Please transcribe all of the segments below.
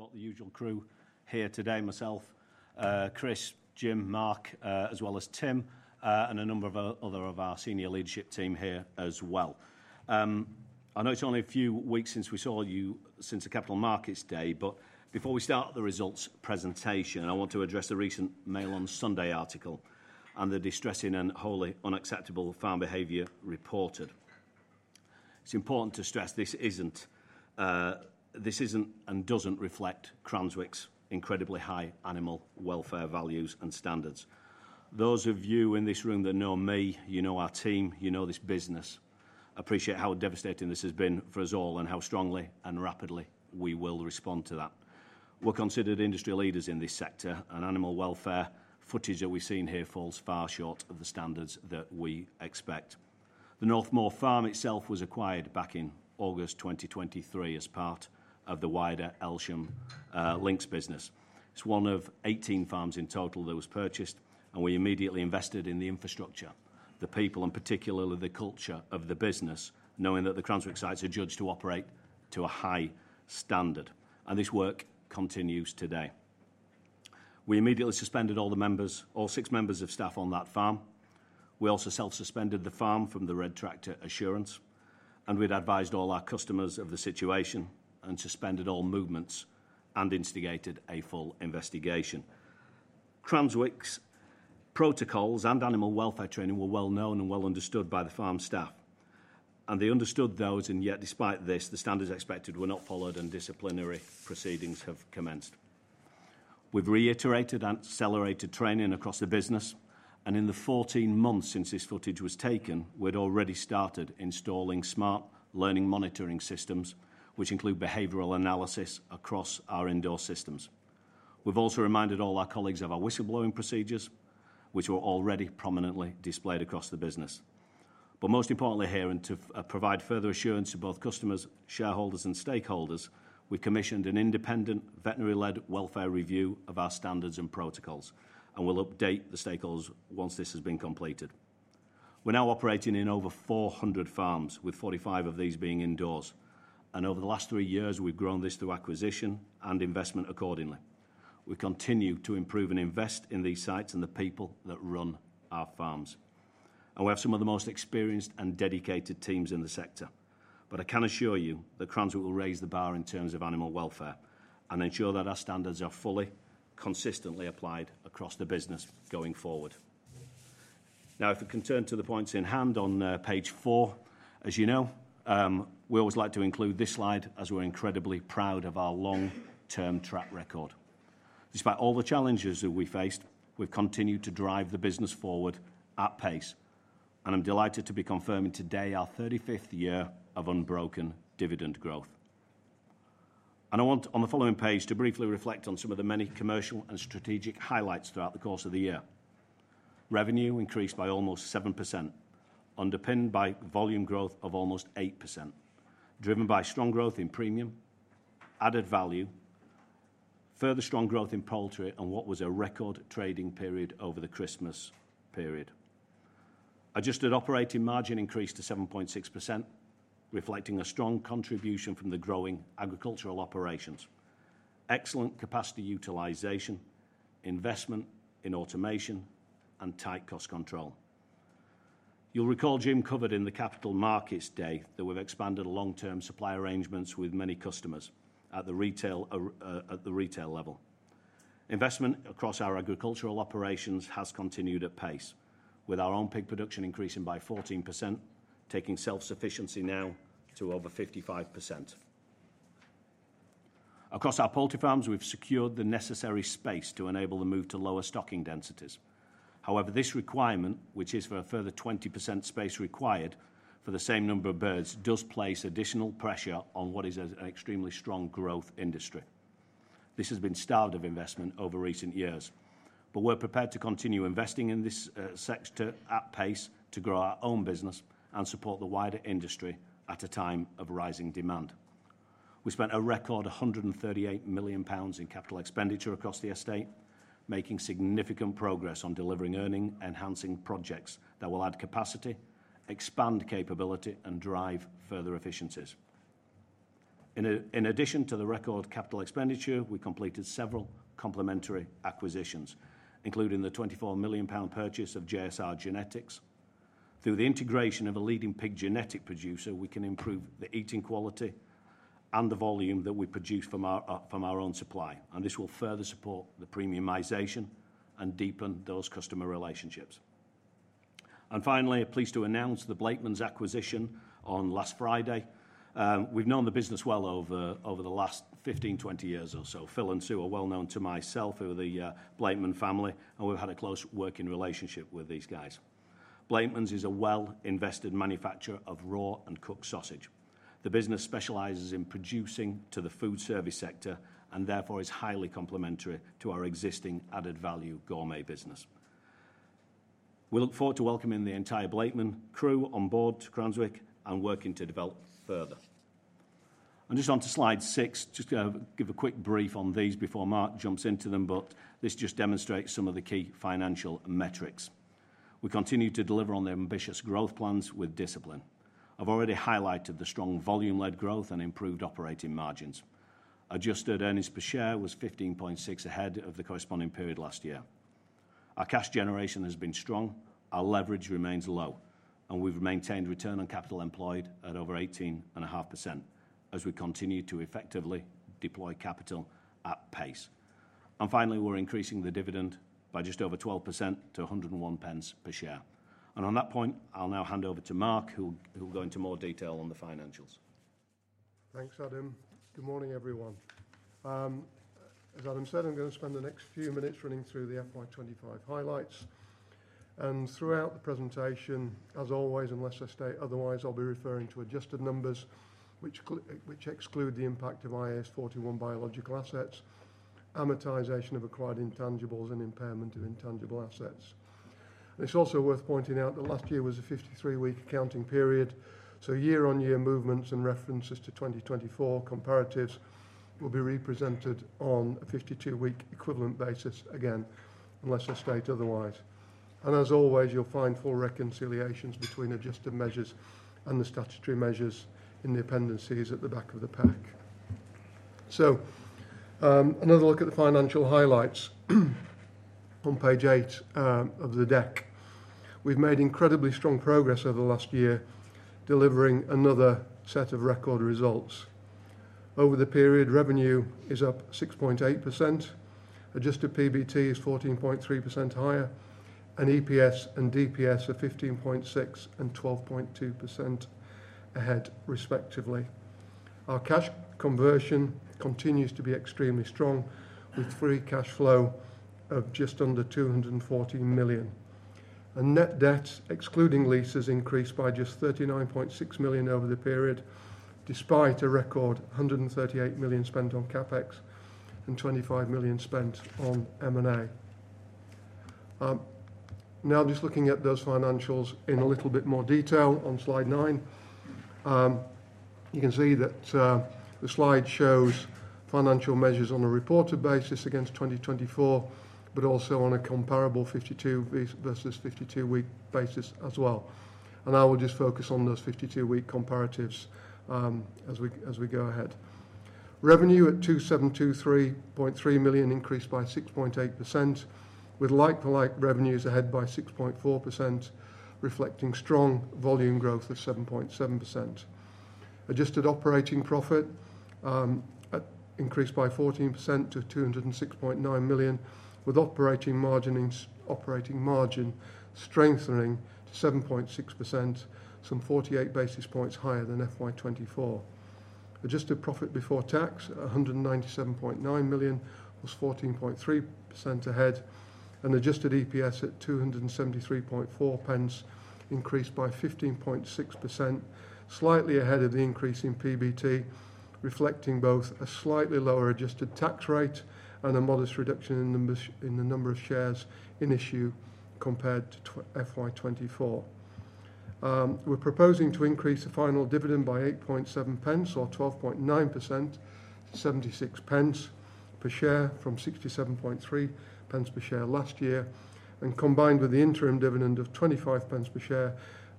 You've got the usual crew here today: myself, Chris, Jim, Mark, as well as Tim, and a number of other of our senior leadership team here as well. I know it's only a few weeks since we saw you since the Capital Markets Day, but before we start the results presentation, I want to address the recent Mail on Sunday article and the distressing and wholly unacceptable farm behavior reported. It's important to stress this isn't and doesn't reflect Cranswick's incredibly high animal welfare values and standards. Those of you in this room that know me, you know our team, you know this business, appreciate how devastating this has been for us all and how strongly and rapidly we will respond to that. We're considered industry leaders in this sector, and animal welfare footage that we've seen here falls far short of the standards that we expect. The Northmoor farm itself was acquired back in August 2023 as part of the wider Elsham Linc business. It is one of 18 farms in total that was purchased, and we immediately invested in the infrastructure, the people, and particularly the culture of the business, knowing that the Cranswick sites are judged to operate to a high standard. This work continues today. We immediately suspended all the members, all six members of staff on that farm. We also self-suspended the farm from the Red Tractor Assurance, and we had advised all our customers of the situation and suspended all movements and instigated a full investigation. Cranswick's protocols and animal welfare training were well known and well understood by the farm staff, and they understood those. Yet, despite this, the standards expected were not followed, and disciplinary proceedings have commenced. We have reiterated and accelerated training across the business, and in the 14 months since this footage was taken, we had already started installing smart learning monitoring systems, which include behavioral analysis across our indoor systems. We have also reminded all our colleagues of our whistleblowing procedures, which were already prominently displayed across the business. Most importantly here, and to provide further assurance to both customers, shareholders, and stakeholders, we commissioned an independent veterinary-led welfare review of our standards and protocols, and we will update the stakeholders once this has been completed. We are now operating in over 400 farms, with 45 of these being indoors. Over the last three years, we have grown this through acquisition and investment accordingly. We continue to improve and invest in these sites and the people that run our farms. We have some of the most experienced and dedicated teams in the sector. I can assure you that Cranswick will raise the bar in terms of animal welfare and ensure that our standards are fully, consistently applied across the business going forward. Now, if we can turn to the points in hand on page four, as you know, we always like to include this slide as we're incredibly proud of our long-term track record. Despite all the challenges that we faced, we've continued to drive the business forward at pace, and I'm delighted to be confirming today our 35th year of unbroken dividend growth. I want, on the following page, to briefly reflect on some of the many commercial and strategic highlights throughout the course of the year. Revenue increased by almost 7%, underpinned by volume growth of almost 8%, driven by strong growth in premium, added value, further strong growth in poultry, and what was a record trading period over the Christmas period. Adjusted operating margin increased to 7.6%, reflecting a strong contribution from the growing agricultural operations, excellent capacity utilization, investment in automation, and tight cost control. You'll recall Jim covered in the Capital Markets Day that we've expanded long-term supply arrangements with many customers at the retail level. Investment across our agricultural operations has continued at pace, with our own pig production increasing by 14%, taking self-sufficiency now to over 55%. Across our poultry farms, we've secured the necessary space to enable the move to lower stocking densities. However, this requirement, which is for a further 20% space required for the same number of birds, does place additional pressure on what is an extremely strong growth industry. This has been starved of investment over recent years, but we're prepared to continue investing in this sector at pace to grow our own business and support the wider industry at a time of rising demand. We spent a record 138 million pounds in capital expenditure across the estate, making significant progress on delivering earnings, enhancing projects that will add capacity, expand capability, and drive further efficiencies. In addition to the record capital expenditure, we completed several complementary acquisitions, including the 24 million pound purchase of JSR Genetics. Through the integration of a leading pig genetic producer, we can improve the eating quality and the volume that we produce from our own supply, and this will further support the premiumization and deepen those customer relationships. Finally, pleased to announce the Blakemans acquisition on last Friday. We've known the business well over the last 15-20 years or so. Phil and Sue are well known to myself, who are the Blakeman family, and we've had a close working relationship with these guys. Blakemans is a well-invested manufacturer of raw and cooked sausage. The business specializes in producing to the food service sector and therefore is highly complementary to our existing added value gourmet business. We look forward to welcoming the entire Blakeman crew on board to Cranswick and working to develop further. Just onto slide six, just going to give a quick brief on these before Mark jumps into them, but this just demonstrates some of the key financial metrics. We continue to deliver on the ambitious growth plans with discipline. I've already highlighted the strong volume-led growth and improved operating margins. Adjusted earnings per share was 15.6% ahead of the corresponding period last year. Our cash generation has been strong, our leverage remains low, and we've maintained return on capital employed at over 18.5% as we continue to effectively deploy capital at pace. Finally, we're increasing the dividend by just over 12% to 1.01 per share. On that point, I'll now hand over to Mark, who will go into more detail on the financials. Thanks, Adam. Good morning, everyone. As Adam said, I'm going to spend the next few minutes running through the FY25 highlights. Throughout the presentation, as always, unless I state otherwise, I'll be referring to adjusted numbers, which exclude the impact of IAS 41 biological assets, amortization of acquired intangibles, and impairment of intangible assets. It's also worth pointing out that last year was a 53-week accounting period, so year-on-year movements and references to 2024 comparatives will be represented on a 52-week equivalent basis again, unless I state otherwise. As always, you'll find full reconciliations between adjusted measures and the statutory measures in the appendices at the back of the pack. Another look at the financial highlights on page eight of the deck. We've made incredibly strong progress over the last year, delivering another set of record results. Over the period, revenue is up 6.8%, adjusted PBT is 14.3% higher, and EPS and DPS are 15.6% and 12.2% ahead, respectively. Our cash conversion continues to be extremely strong, with free cash flow of just under 240 million. Net debt, excluding leases, increased by just 39.6 million over the period, despite a record 138 million spent on CapEx and 25 million spent on M&A. Now, just looking at those financials in a little bit more detail on slide nine, you can see that the slide shows financial measures on a reported basis against 2024, but also on a comparable 52-week versus 52-week basis as well. I will just focus on those 52-week comparatives as we go ahead. Revenue at 2,723.3 million increased by 6.8%, with like-for-like revenues ahead by 6.4%, reflecting strong volume growth of 7.7%. Adjusted operating profit increased by 14% to 206.9 million, with operating margin strengthening to 7.6%, some 48 basis points higher than FY2024. Adjusted profit before tax, 197.9 million, was 14.3% ahead, and adjusted EPS at 2.734 increased by 15.6%, slightly ahead of the increase in PBT, reflecting both a slightly lower adjusted tax rate and a modest reduction in the number of shares in issue compared to FY2024. We are proposing to increase the final dividend by 0.0087, or 12.9%, to 0.76 per share from 0.673 per share last year. Combined with the interim dividend of 0.25 per share,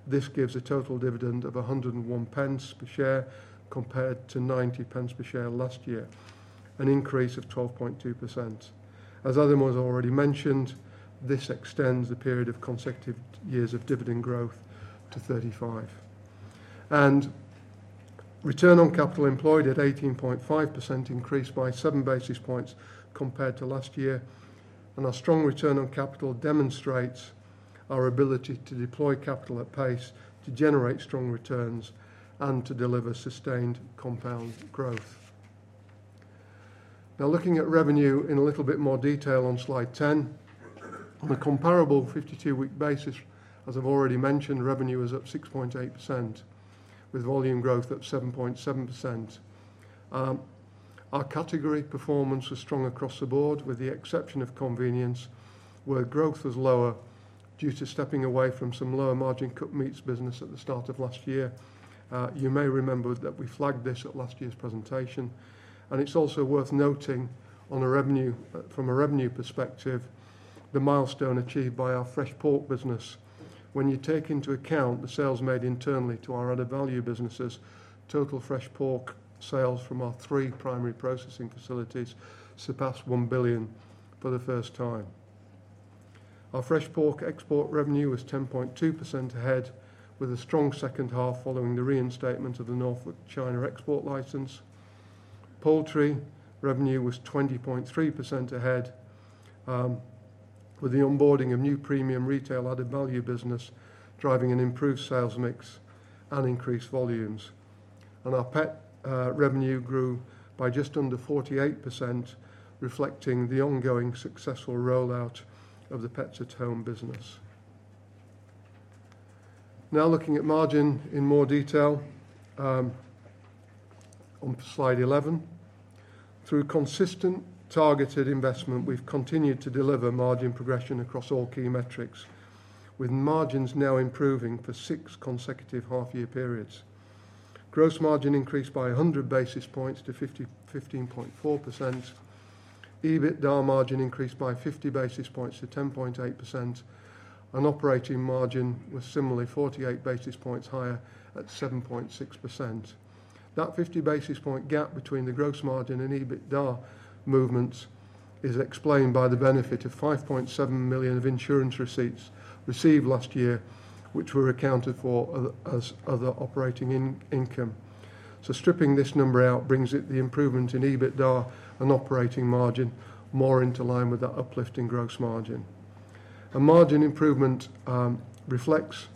this gives a total dividend of 1.01 per share compared to 0.90 per share last year, an increase of 12.2%. As Adam has already mentioned, this extends the period of consecutive years of dividend growth to 35. Return on capital employed at 18.5% increased by 7 basis points compared to last year. Our strong return on capital demonstrates our ability to deploy capital at pace to generate strong returns and to deliver sustained compound growth. Now, looking at revenue in a little bit more detail on slide ten, on a comparable 52-week basis, as I have already mentioned, revenue is up 6.8%, with volume growth of 7.7%. Our category performance was strong across the board, with the exception of convenience, where growth was lower due to stepping away from some lower margin cooked meats business at the start of last year. You may remember that we flagged this at last year's presentation. It is also worth noting, from a revenue perspective, the milestone achieved by our fresh pork business. When you take into account the sales made internally to our added value businesses, total fresh pork sales from our three primary processing facilities surpassed 1 billion for the first time. Our fresh pork export revenue was 10.2% ahead, with a strong second half following the reinstatement of the Norfolk China export license. Poultry revenue was 20.3% ahead, with the onboarding of new premium retail added value business driving an improved sales mix and increased volumes. Our pet revenue grew by just under 48%, reflecting the ongoing successful rollout of the Pets at Home business. Now, looking at margin in more detail on slide 11, through consistent targeted investment, we have continued to deliver margin progression across all key metrics, with margins now improving for six consecutive half-year periods. Gross margin increased by 100 basis points to 15.4%. EBITDA margin increased by 50 basis points to 10.8%. Operating margin was similarly 48 basis points higher at 7.6%. That 50 basis point gap between the gross margin and EBITDA movements is explained by the benefit of 5.7 million of insurance receipts received last year, which were accounted for as other operating income. Stripping this number out brings the improvement in EBITDA and operating margin more into line with that uplift in gross margin. Margin improvement reflects,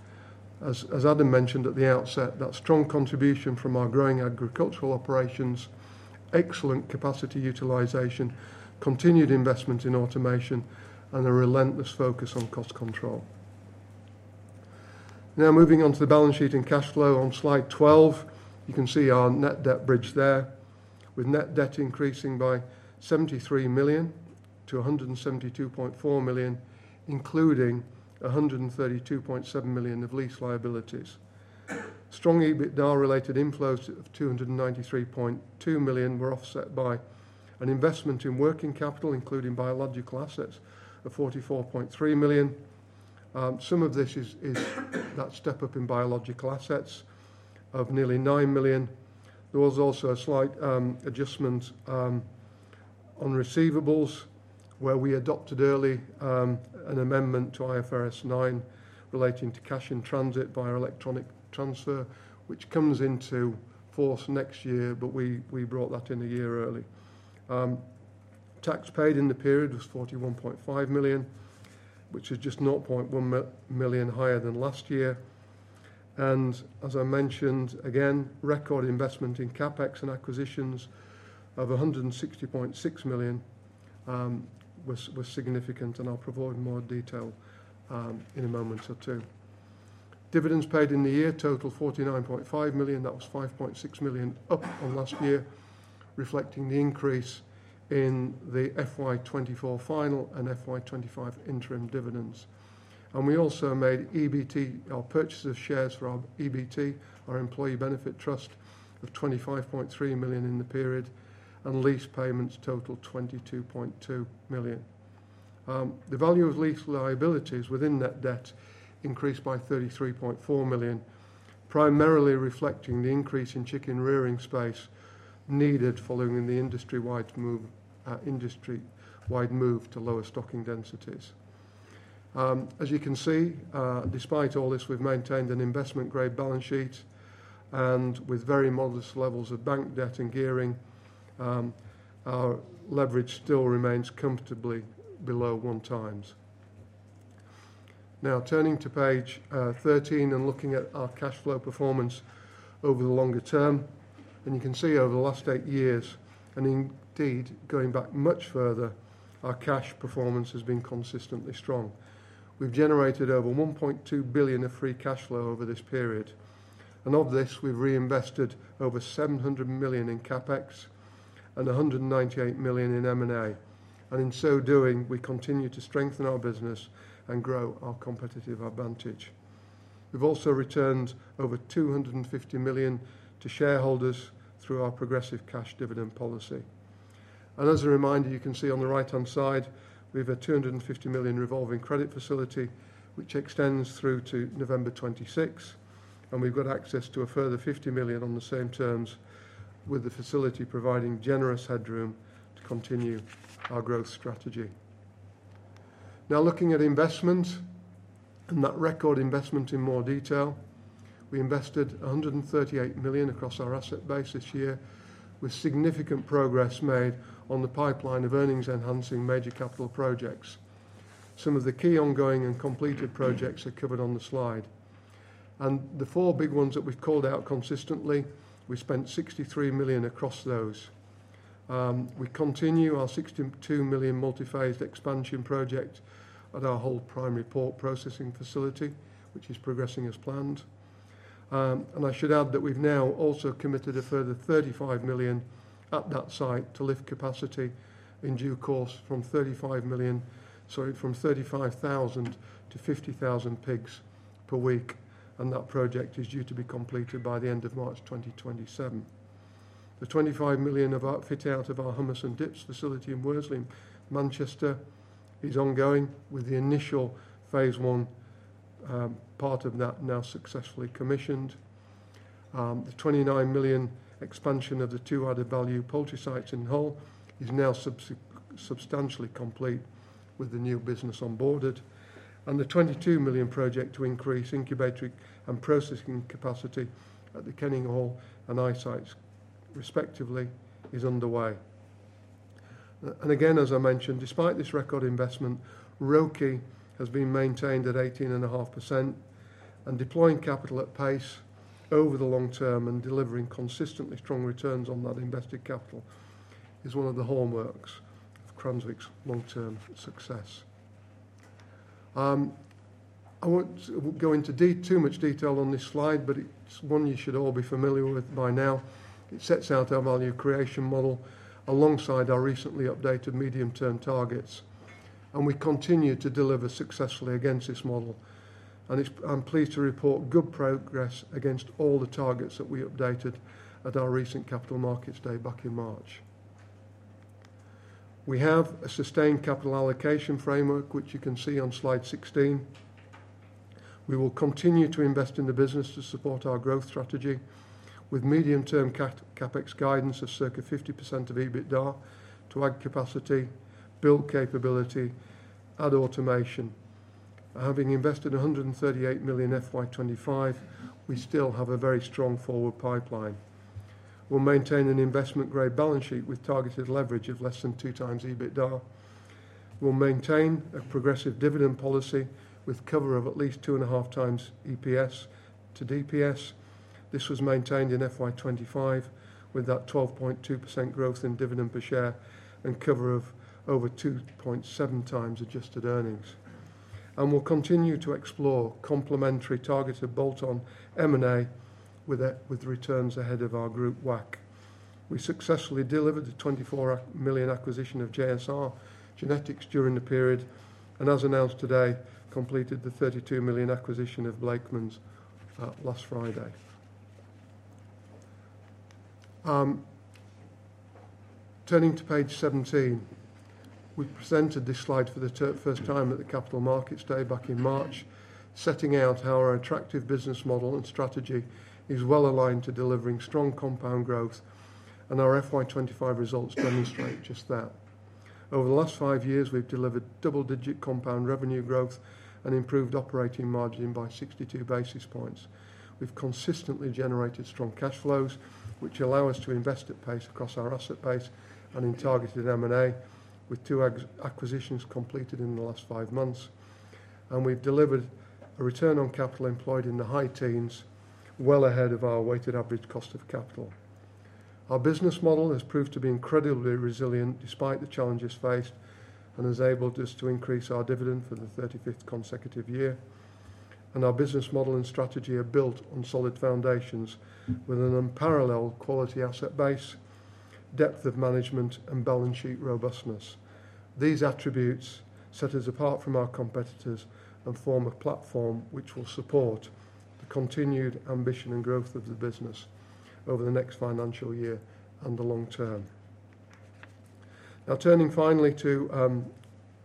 as Adam mentioned at the outset, that strong contribution from our growing agricultural operations, excellent capacity utilization, continued investment in automation, and a relentless focus on cost control. Now, moving on to the balance sheet and cash flow on slide 12, you can see our net debt bridge there, with net debt increasing by 73 million to 172.4 million, including 132.7 million of lease liabilities. Strong EBITDA-related inflows of 293.2 million were offset by an investment in working capital, including biological assets, of 44.3 million. Some of this is that step up in biological assets of nearly 9 million. There was also a slight adjustment on receivables, where we adopted early an amendment to IFRS 9 relating to cash in transit via electronic transfer, which comes into force next year, but we brought that in a year early. Tax paid in the period was 41.5 million, which is just 0.1 million higher than last year. As I mentioned, again, record investment in CapEx and acquisitions of 160.6 million was significant, and I will provide more detail in a moment or two. Dividends paid in the year totaled 49.5 million. That was 5.6 million up on last year, reflecting the increase in the FY24 final and FY25 interim dividends. We also made EBT, our purchase of shares for our EBT, our employee benefit trust, of 25.3 million in the period, and lease payments totaled 22.2 million. The value of lease liabilities within net debt increased by 33.4 million, primarily reflecting the increase in chicken rearing space needed following the industry-wide move to lower stocking densities. As you can see, despite all this, we have maintained an investment-grade balance sheet, and with very modest levels of bank debt and gearing, our leverage still remains comfortably below one times. Now, turning to page 13 and looking at our cash flow performance over the longer term, you can see over the last eight years, and indeed going back much further, our cash performance has been consistently strong. We have generated over 1.2 billion of free cash flow over this period. Of this, we have reinvested over 700 million in CapEx and 198 million in M&A. In so doing, we continue to strengthen our business and grow our competitive advantage. We have also returned over 250 million to shareholders through our progressive cash dividend policy. As a reminder, you can see on the right-hand side, we have a 250 million revolving credit facility, which extends through to November 2026, and we have access to a further 50 million on the same terms, with the facility providing generous headroom to continue our growth strategy. Now, looking at investment and that record investment in more detail, we invested 138 million across our asset base this year, with significant progress made on the pipeline of earnings-enhancing major capital projects. Some of the key ongoing and completed projects are covered on the slide. The four big ones that we've called out consistently, we spent 63 million across those. We continue our 62 million multi-phased expansion project at our Hull primary pork processing facility, which is progressing as planned. I should add that we've now also committed a further 35 million at that site to lift capacity in due course from 35,000 to 50,000 pigs per week, and that project is due to be completed by the end of March 2027. The 25 million of our fitting out of our hummus and dips facility in Worsley, Manchester, is ongoing, with the initial phase I part of that now successfully commissioned. The 29 million expansion of the two added value poultry sites in Hull is now substantially complete, with the new business onboarded. The 22 million project to increase incubator and processing capacity at the Kenninghall and Eye sites, respectively, is underway. As I mentioned, despite this record investment, ROCE has been maintained at 18.5%, and deploying capital at pace over the long term and delivering consistently strong returns on that invested capital is one of the hallmarks of Cranswick's long-term success. I will not go into too much detail on this slide, but it is one you should all be familiar with by now. It sets out our value creation model alongside our recently updated medium-term targets, and we continue to deliver successfully against this model. I am pleased to report good progress against all the targets that we updated at our recent capital markets day back in March. We have a sustained capital allocation framework, which you can see on slide 16. We will continue to invest in the business to support our growth strategy, with medium-term CapEx guidance of circa 50% of EBITDA to add capacity, build capability, add automation. Having invested 138 million in FY 2025, we still have a very strong forward pipeline. We will maintain an investment-grade balance sheet with targeted leverage of less than two times EBITDA. We will maintain a progressive dividend policy with cover of at least two and a half times EPS to DPS. This was maintained in FY 2025 with that 12.2% growth in dividend per share and cover of over 2.7 times adjusted earnings. We will continue to explore complementary targeted bolt-on M&A with returns ahead of our group WACC. We successfully delivered the 24 million acquisition of JSR Genetics during the period, and as announced today, completed the 32 million acquisition of Blakemans last Friday. Turning to page 17, we presented this slide for the first time at the capital markets day back in March, setting out how our attractive business model and strategy is well aligned to delivering strong compound growth, and our FY25 results demonstrate just that. Over the last five years, we've delivered double-digit compound revenue growth and improved operating margin by 62 basis points. We've consistently generated strong cash flows, which allow us to invest at pace across our asset base and in targeted M&A, with two acquisitions completed in the last five months. We've delivered a return on capital employed in the high teens, well ahead of our weighted average cost of capital. Our business model has proved to be incredibly resilient despite the challenges faced and has enabled us to increase our dividend for the thirty-fifth consecutive year. Our business model and strategy are built on solid foundations with an unparalleled quality asset base, depth of management, and balance sheet robustness. These attributes set us apart from our competitors and form a platform which will support the continued ambition and growth of the business over the next financial year and the long term. Now, turning finally to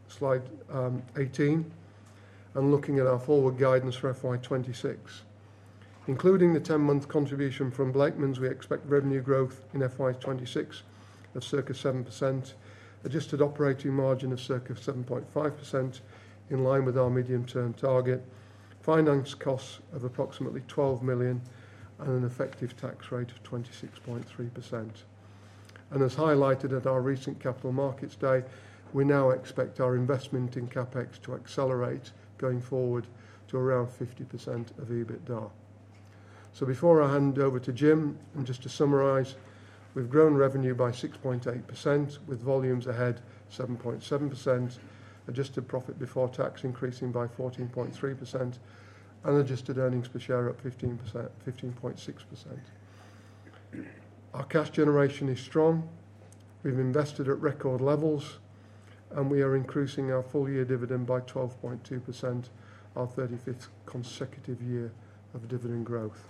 slide 18 and looking at our forward guidance for FY2026, including the ten-month contribution from Blakemans, we expect revenue growth in FY2026 of circa 7%, adjusted operating margin of circa 7.5% in line with our medium-term target, finance costs of approximately 12 million, and an effective tax rate of 26.3%. As highlighted at our recent capital markets day, we now expect our investment in CapEx to accelerate going forward to around 50% of EBITDA. Before I hand over to Jim and just to summarize, we have grown revenue by 6.8% with volumes ahead 7.7%, adjusted profit before tax increasing by 14.3%, and adjusted earnings per share up 15.6%. Our cash generation is strong. We have invested at record levels, and we are increasing our full-year dividend by 12.2%, our 35th consecutive year of dividend growth.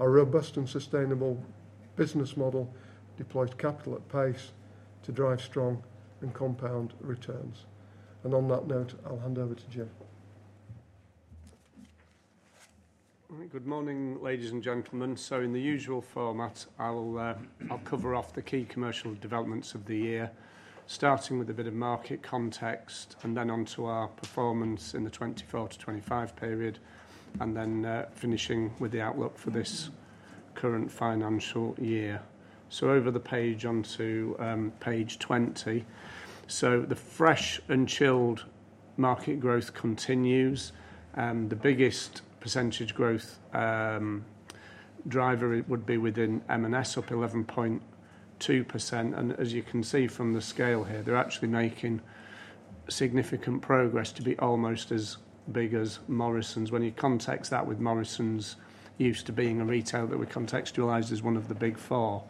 Our robust and sustainable business model deploys capital at pace to drive strong and compound returns. On that note, I will hand over to Jim. Good morning, ladies and gentlemen. In the usual format, I will cover off the key commercial developments of the year, starting with a bit of market context and then on to our performance in the 2024 to 2025 period, and then finishing with the outlook for this current financial year. Over the page on to page 20. The fresh and chilled market growth continues, and the biggest percentage growth driver would be within M&S up 11.2%. As you can see from the scale here, they're actually making significant progress to be almost as big as Morrisons. When you context that with Morrisons used to being a retailer that we contextualized as one of the big four,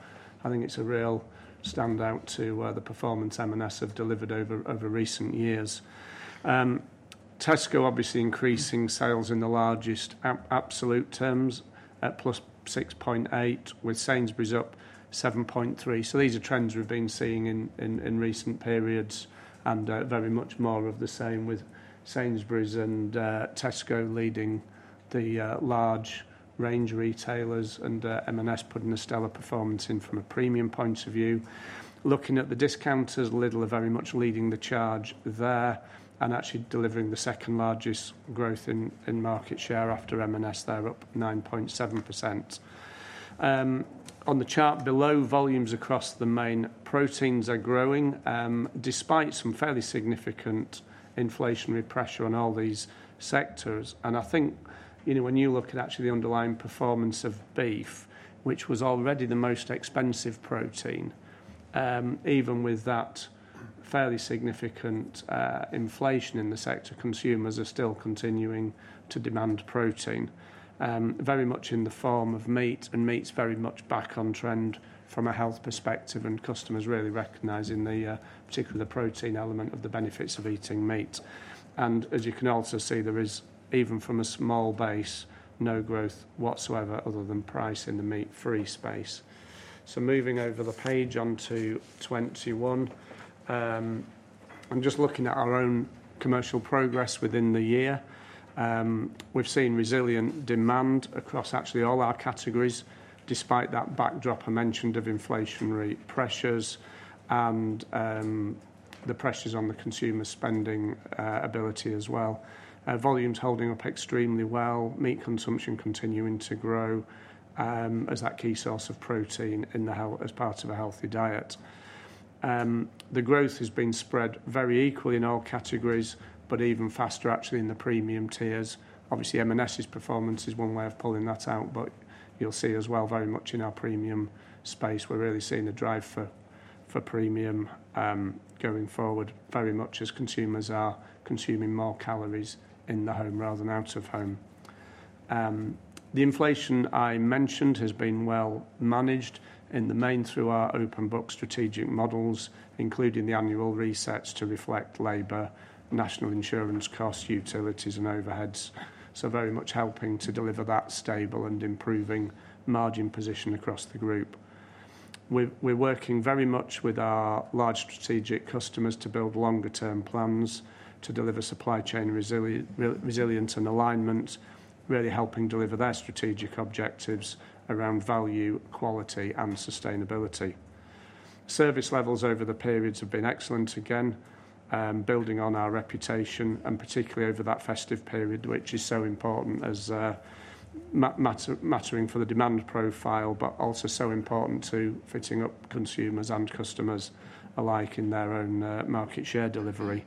I think it's a real standout to the performance M&S have delivered over recent years. Tesco obviously increasing sales in the largest absolute terms at plus 6.8%, with Sainsbury's up 7.3%. These are trends we've been seeing in recent periods, and very much more of the same with Sainsbury's and Tesco leading the large range retailers, and M&S putting a stellar performance in from a premium point of view. Looking at the discounters, Lidl are very much leading the charge there and actually delivering the second largest growth in market share after M&S, they're up 9.7%. On the chart below, volumes across the main proteins are growing despite some fairly significant inflationary pressure on all these sectors. I think when you look at actually the underlying performance of beef, which was already the most expensive protein, even with that fairly significant inflation in the sector, consumers are still continuing to demand protein, very much in the form of meat, and meat's very much back on trend from a health perspective, and customers really recognize in the particular protein element of the benefits of eating meat. As you can also see, there is even from a small base, no growth whatsoever other than price in the meat-free space. Moving over the page on to 21, I'm just looking at our own commercial progress within the year. We've seen resilient demand across actually all our categories despite that backdrop I mentioned of inflationary pressures and the pressures on the consumer spending ability as well. Volumes holding up extremely well. Meat consumption continuing to grow as that key source of protein in the health as part of a healthy diet. The growth has been spread very equally in all categories, but even faster actually in the premium tiers. Obviously, M&S's performance is one way of pulling that out, but you'll see as well very much in our premium space, we're really seeing a drive for premium going forward very much as consumers are consuming more calories in the home rather than out of home. The inflation I mentioned has been well managed in the main through our open book strategic models, including the annual resets to reflect labor, national insurance costs, utilities, and overheads. Very much helping to deliver that stable and improving margin position across the group. We're working very much with our large strategic customers to build longer-term plans to deliver supply chain resilience and alignment, really helping deliver their strategic objectives around value, quality, and sustainability. Service levels over the periods have been excellent again, building on our reputation and particularly over that festive period, which is so important as mattering for the demand profile, but also so important to fitting up consumers and customers alike in their own market share delivery.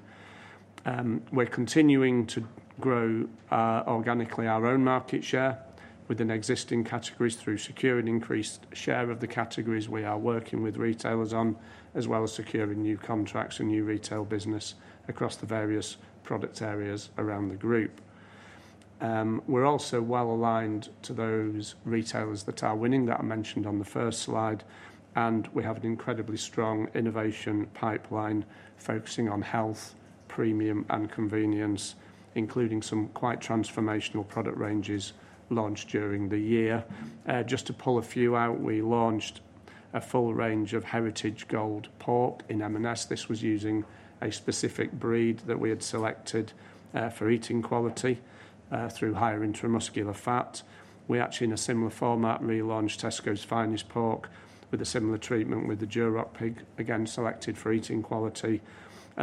We're continuing to grow organically our own market share within existing categories through securing increased share of the categories we are working with retailers on, as well as securing new contracts and new retail business across the various product areas around the group. We're also well aligned to those retailers that are winning that I mentioned on the first slide, and we have an incredibly strong innovation pipeline focusing on health, premium, and convenience, including some quite transformational product ranges launched during the year. Just to pull a few out, we launched a full range of Heritage Gold Pork in M&S. This was using a specific breed that we had selected for eating quality through higher intramuscular fat. We actually, in a similar format, relaunched Tesco's Finest Pork with a similar treatment with the Duroc pig, again selected for eating quality.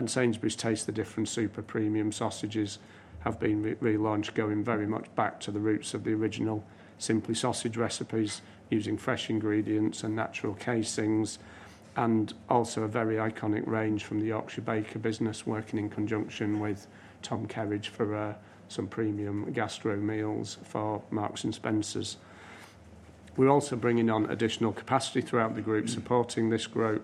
Sainsbury's Taste the Difference Super Premium Sausages have been relaunched, going very much back to the roots of the original Simply Sausage recipes using fresh ingredients and natural casings, and also a very iconic range from the Yorkshire Baker business working in conjunction with Tom Kerridge for some premium gastro meals for Marks & Spencer. We are also bringing on additional capacity throughout the group, supporting this growth,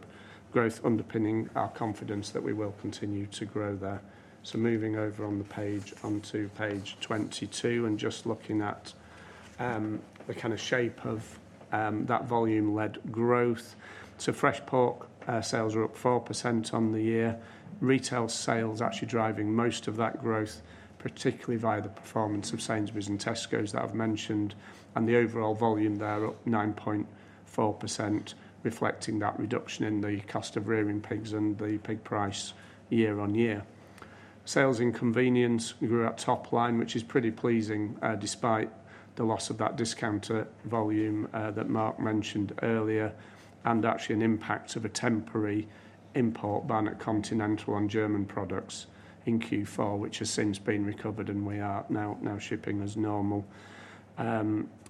underpinning our confidence that we will continue to grow there. Moving over on the page on to page 22 and just looking at the kind of shape of that volume-led growth. Fresh pork sales are up 4% on the year. Retail sales actually driving most of that growth, particularly via the performance of Sainsbury's and Tesco's that I've mentioned, and the overall volume there up 9.4%, reflecting that reduction in the cost of rearing pigs and the pig price year on year. Sales in convenience grew at top line, which is pretty pleasing despite the loss of that discounter volume that Mark mentioned earlier, and actually an impact of a temporary import ban at Continental on German products in Q4, which has since been recovered, and we are now shipping as normal.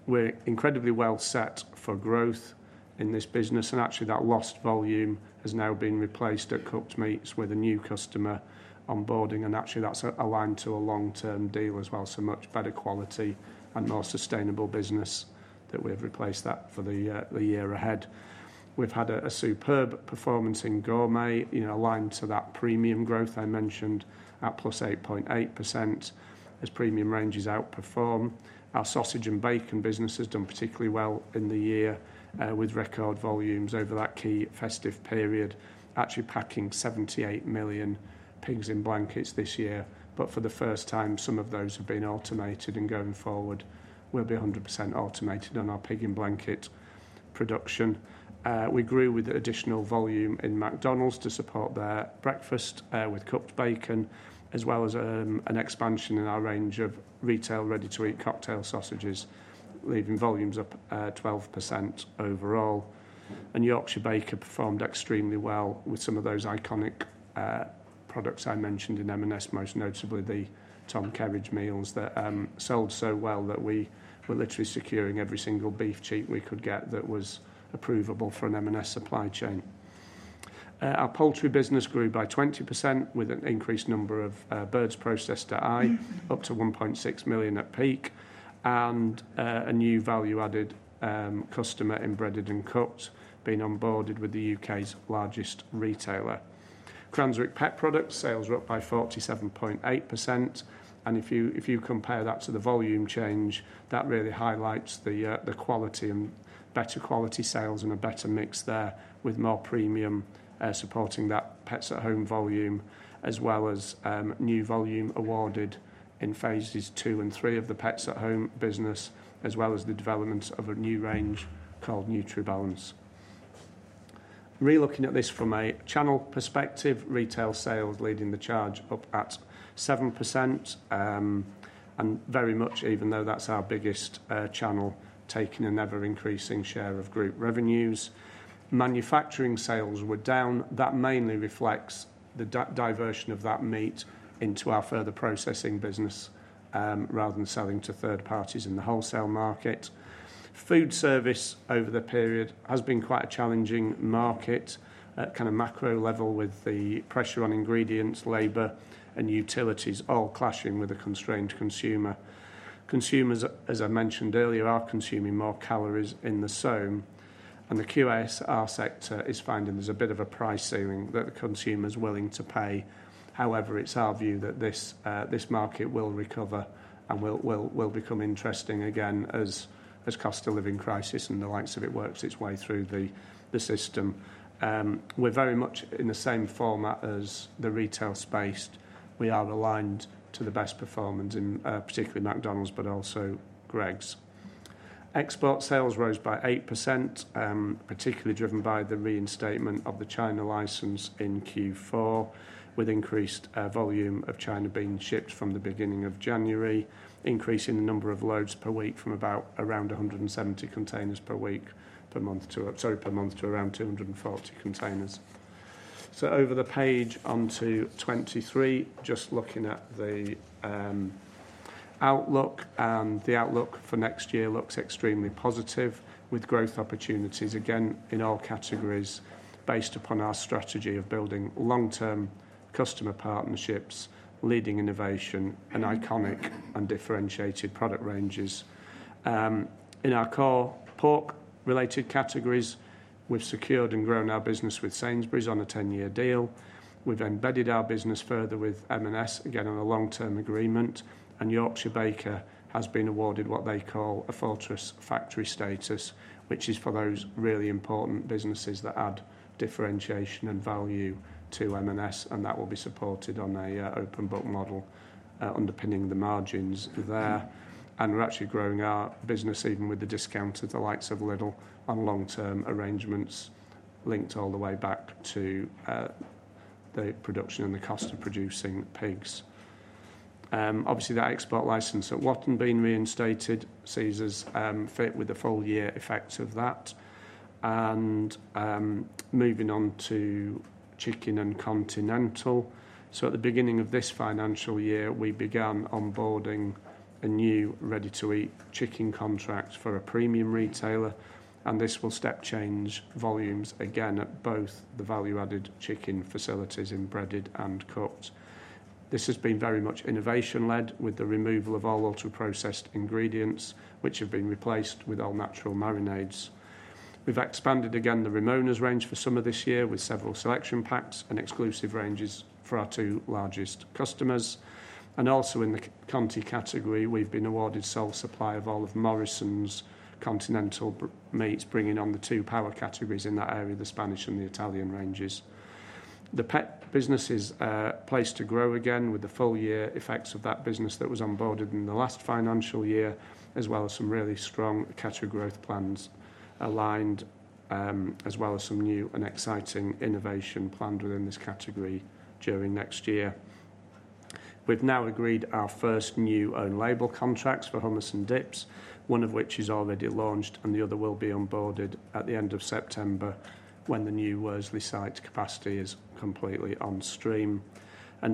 We're incredibly well set for growth in this business, and actually that lost volume has now been replaced at Cooked Meats with a new customer onboarding, and actually that's aligned to a long-term deal as well. Much better quality and more sustainable business that we've replaced that for the year ahead. We've had a superb performance in gourmet, aligned to that premium growth I mentioned at +8.8% as premium ranges outperform. Our sausage and bacon business has done particularly well in the year with record volumes over that key festive period, actually packing 78 million pigs in blankets this year. For the first time, some of those have been automated, and going forward, we'll be 100% automated on our pig in blanket production. We grew with additional volume in McDonald's to support their breakfast with cooked bacon, as well as an expansion in our range of retail ready-to-eat cocktail sausages, leaving volumes up 12% overall. Yorkshire Baker performed extremely well with some of those iconic products I mentioned in M&S, most notably the Tom Kerridge meals that sold so well that we were literally securing every single beef cheek we could get that was approvable for an M&S supply chain. Our poultry business grew by 20% with an increased number of birds processed at Eye, up to 1.6 million at peak, and a new value-added customer embedded in Co-op's being onboarded with the U.K.'s largest retailer. Cranswick Pet Products sales were up by 47.8%, and if you compare that to the volume change, that really highlights the quality and better quality sales and a better mix there with more premium supporting that Pets at Home volume, as well as new volume awarded in phases II and III of the Pets at Home business, as well as the development of a new range called nutribalance. Re-looking at this from a channel perspective, retail sales leading the charge up at 7%, and very much even though that's our biggest channel taking an ever-increasing share of group revenues. Manufacturing sales were down. That mainly reflects the diversion of that meat into our further processing business rather than selling to third parties in the wholesale market. Food service over the period has been quite a challenging market at kind of macro level with the pressure on ingredients, labor, and utilities all clashing with a constrained consumer. Consumers, as I mentioned earlier, are consuming more calories in the some, and the QASR sector is finding there's a bit of a price ceiling that the consumer's willing to pay. However, it's our view that this market will recover and will become interesting again as cost of living crisis and the likes of it works its way through the system. We're very much in the same format as the retail space. We are aligned to the best performance in particularly McDonald's, but also Greggs. Export sales rose by 8%, particularly driven by the reinstatement of the China license in Q4, with increased volume of China beans shipped from the beginning of January, increasing the number of loads per week from around 170 containers per month to around 240 containers. Over the page on to 23, just looking at the outlook, and the outlook for next year looks extremely positive with growth opportunities again in all categories based upon our strategy of building long-term customer partnerships, leading innovation, and iconic and differentiated product ranges. In our core pork-related categories, we've secured and grown our business with Sainsbury's on a 10-year deal. We've embedded our business further with M&S, again on a long-term agreement, and Yorkshire Baker has been awarded what they call a fortress factory status, which is for those really important businesses that add differentiation and value to M&S, and that will be supported on an open book model underpinning the margins there. We're actually growing our business even with the discounter, the likes of Lidl, on long-term arrangements linked all the way back to the production and the cost of producing pigs. Obviously, that export license at Norfolk being reinstated sees us fit with the full year effect of that. Moving on to chicken and Continental. At the beginning of this financial year, we began onboarding a new ready-to-eat chicken contract for a premium retailer, and this will step change volumes again at both the value-added chicken facilities embedded and cooked. This has been very much innovation-led with the removal of all ultra-processed ingredients, which have been replaced with all natural marinades. We have expanded again the Ramona's range for some of this year with several selection packs and exclusive ranges for our two largest customers. Also in the Conti category, we have been awarded sole supply of all of Morrisons' Continental Meats, bringing on the two power categories in that area, the Spanish and the Italian ranges. The Pet business is placed to grow again with the full year effects of that business that was onboarded in the last financial year, as well as some really strong cattle growth plans aligned, as well as some new and exciting innovation planned within this category during next year. We've now agreed our first new own label contracts for hummus and dips, one of which is already launched, and the other will be onboarded at the end of September when the new Worsley site capacity is completely on stream.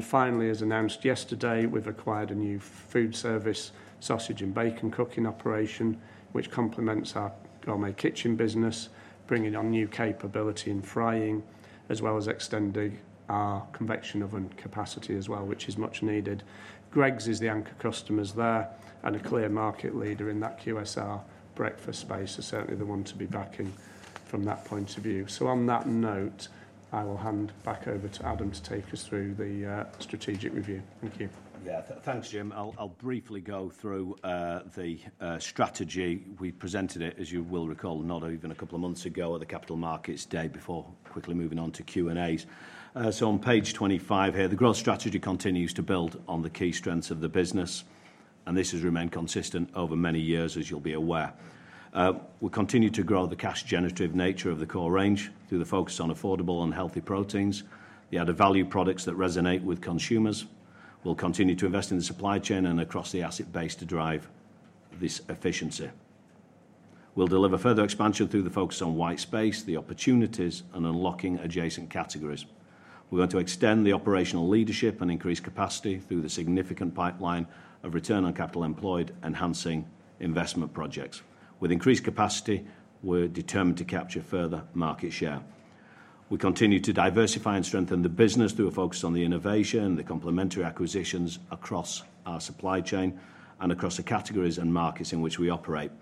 Finally, as announced yesterday, we've acquired a new food service sausage and bacon cooking operation, which complements our Gourmet Kitchen business, bringing on new capability in frying, as well as extending our convection oven capacity as well, which is much needed. Greggs is the anchor customer there, and a clear market leader in that QSR breakfast space is certainly the one to be backing from that point of view. On that note, I will hand back over to Adam to take us through the strategic review. Thank you. Yeah, thanks, Jim. I'll briefly go through the strategy. We presented it, as you will recall, not even a couple of months ago at the capital markets day before, quickly moving on to Q&As. On page 25 here, the growth strategy continues to build on the key strengths of the business, and this has remained consistent over many years, as you'll be aware. We continue to grow the cash-generative nature of the core range through the focus on affordable and healthy proteins. The added value products that resonate with consumers. We'll continue to invest in the supply chain and across the asset base to drive this efficiency. We'll deliver further expansion through the focus on white space, the opportunities, and unlocking adjacent categories. We're going to extend the operational leadership and increase capacity through the significant pipeline of return on capital employed, enhancing investment projects. With increased capacity, we're determined to capture further market share. We continue to diversify and strengthen the business through a focus on the innovation, the complementary acquisitions across our supply chain and across the categories and markets in which we operate.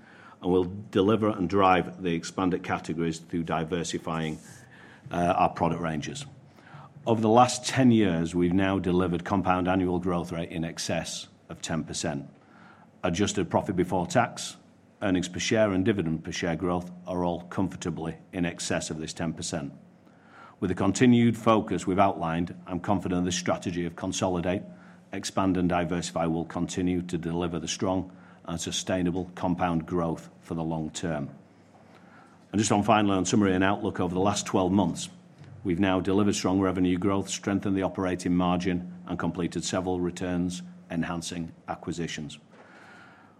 We will deliver and drive the expanded categories through diversifying our product ranges. Over the last 10 years, we have now delivered compound annual growth rate in excess of 10%. Adjusted profit before tax, earnings per share, and dividend per share growth are all comfortably in excess of this 10%. With the continued focus we have outlined, I am confident the strategy of consolidate, expand, and diversify will continue to deliver the strong and sustainable compound growth for the long term. Finally, on summary and outlook, over the last 12 months, we have now delivered strong revenue growth, strengthened the operating margin, and completed several returns-enhancing acquisitions.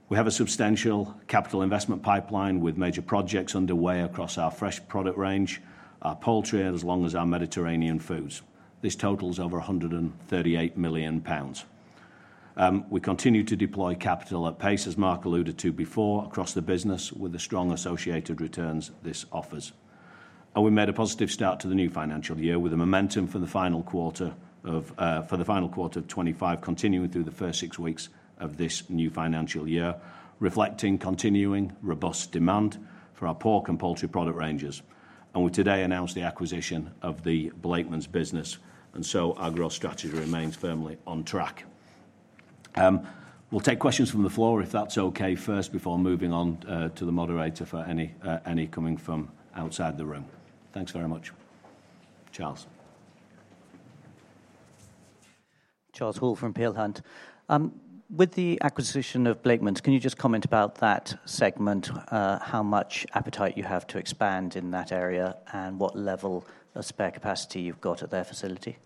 We have a substantial capital investment pipeline with major projects underway across our fresh product range, our poultry, and as long as our Mediterranean foods. This totals over 138 million pounds. We continue to deploy capital at pace, as Mark alluded to before, across the business with the strong associated returns this offers. We made a positive start to the new financial year with momentum for the final quarter of 2025 continuing through the first six weeks of this new financial year, reflecting continuing robust demand for our pork and poultry product ranges. We today announced the acquisition of the Blakemans business, and our growth strategy remains firmly on track. We'll take questions from the floor if that's okay first before moving on to the moderator for any coming from outside the room. Thanks very much, Charles. Charles Houle from Pale Hand. With the acquisition of Blakemans, can you just comment about that segment, how much appetite you have to expand in that area and what level of spare capacity you've got at their facility?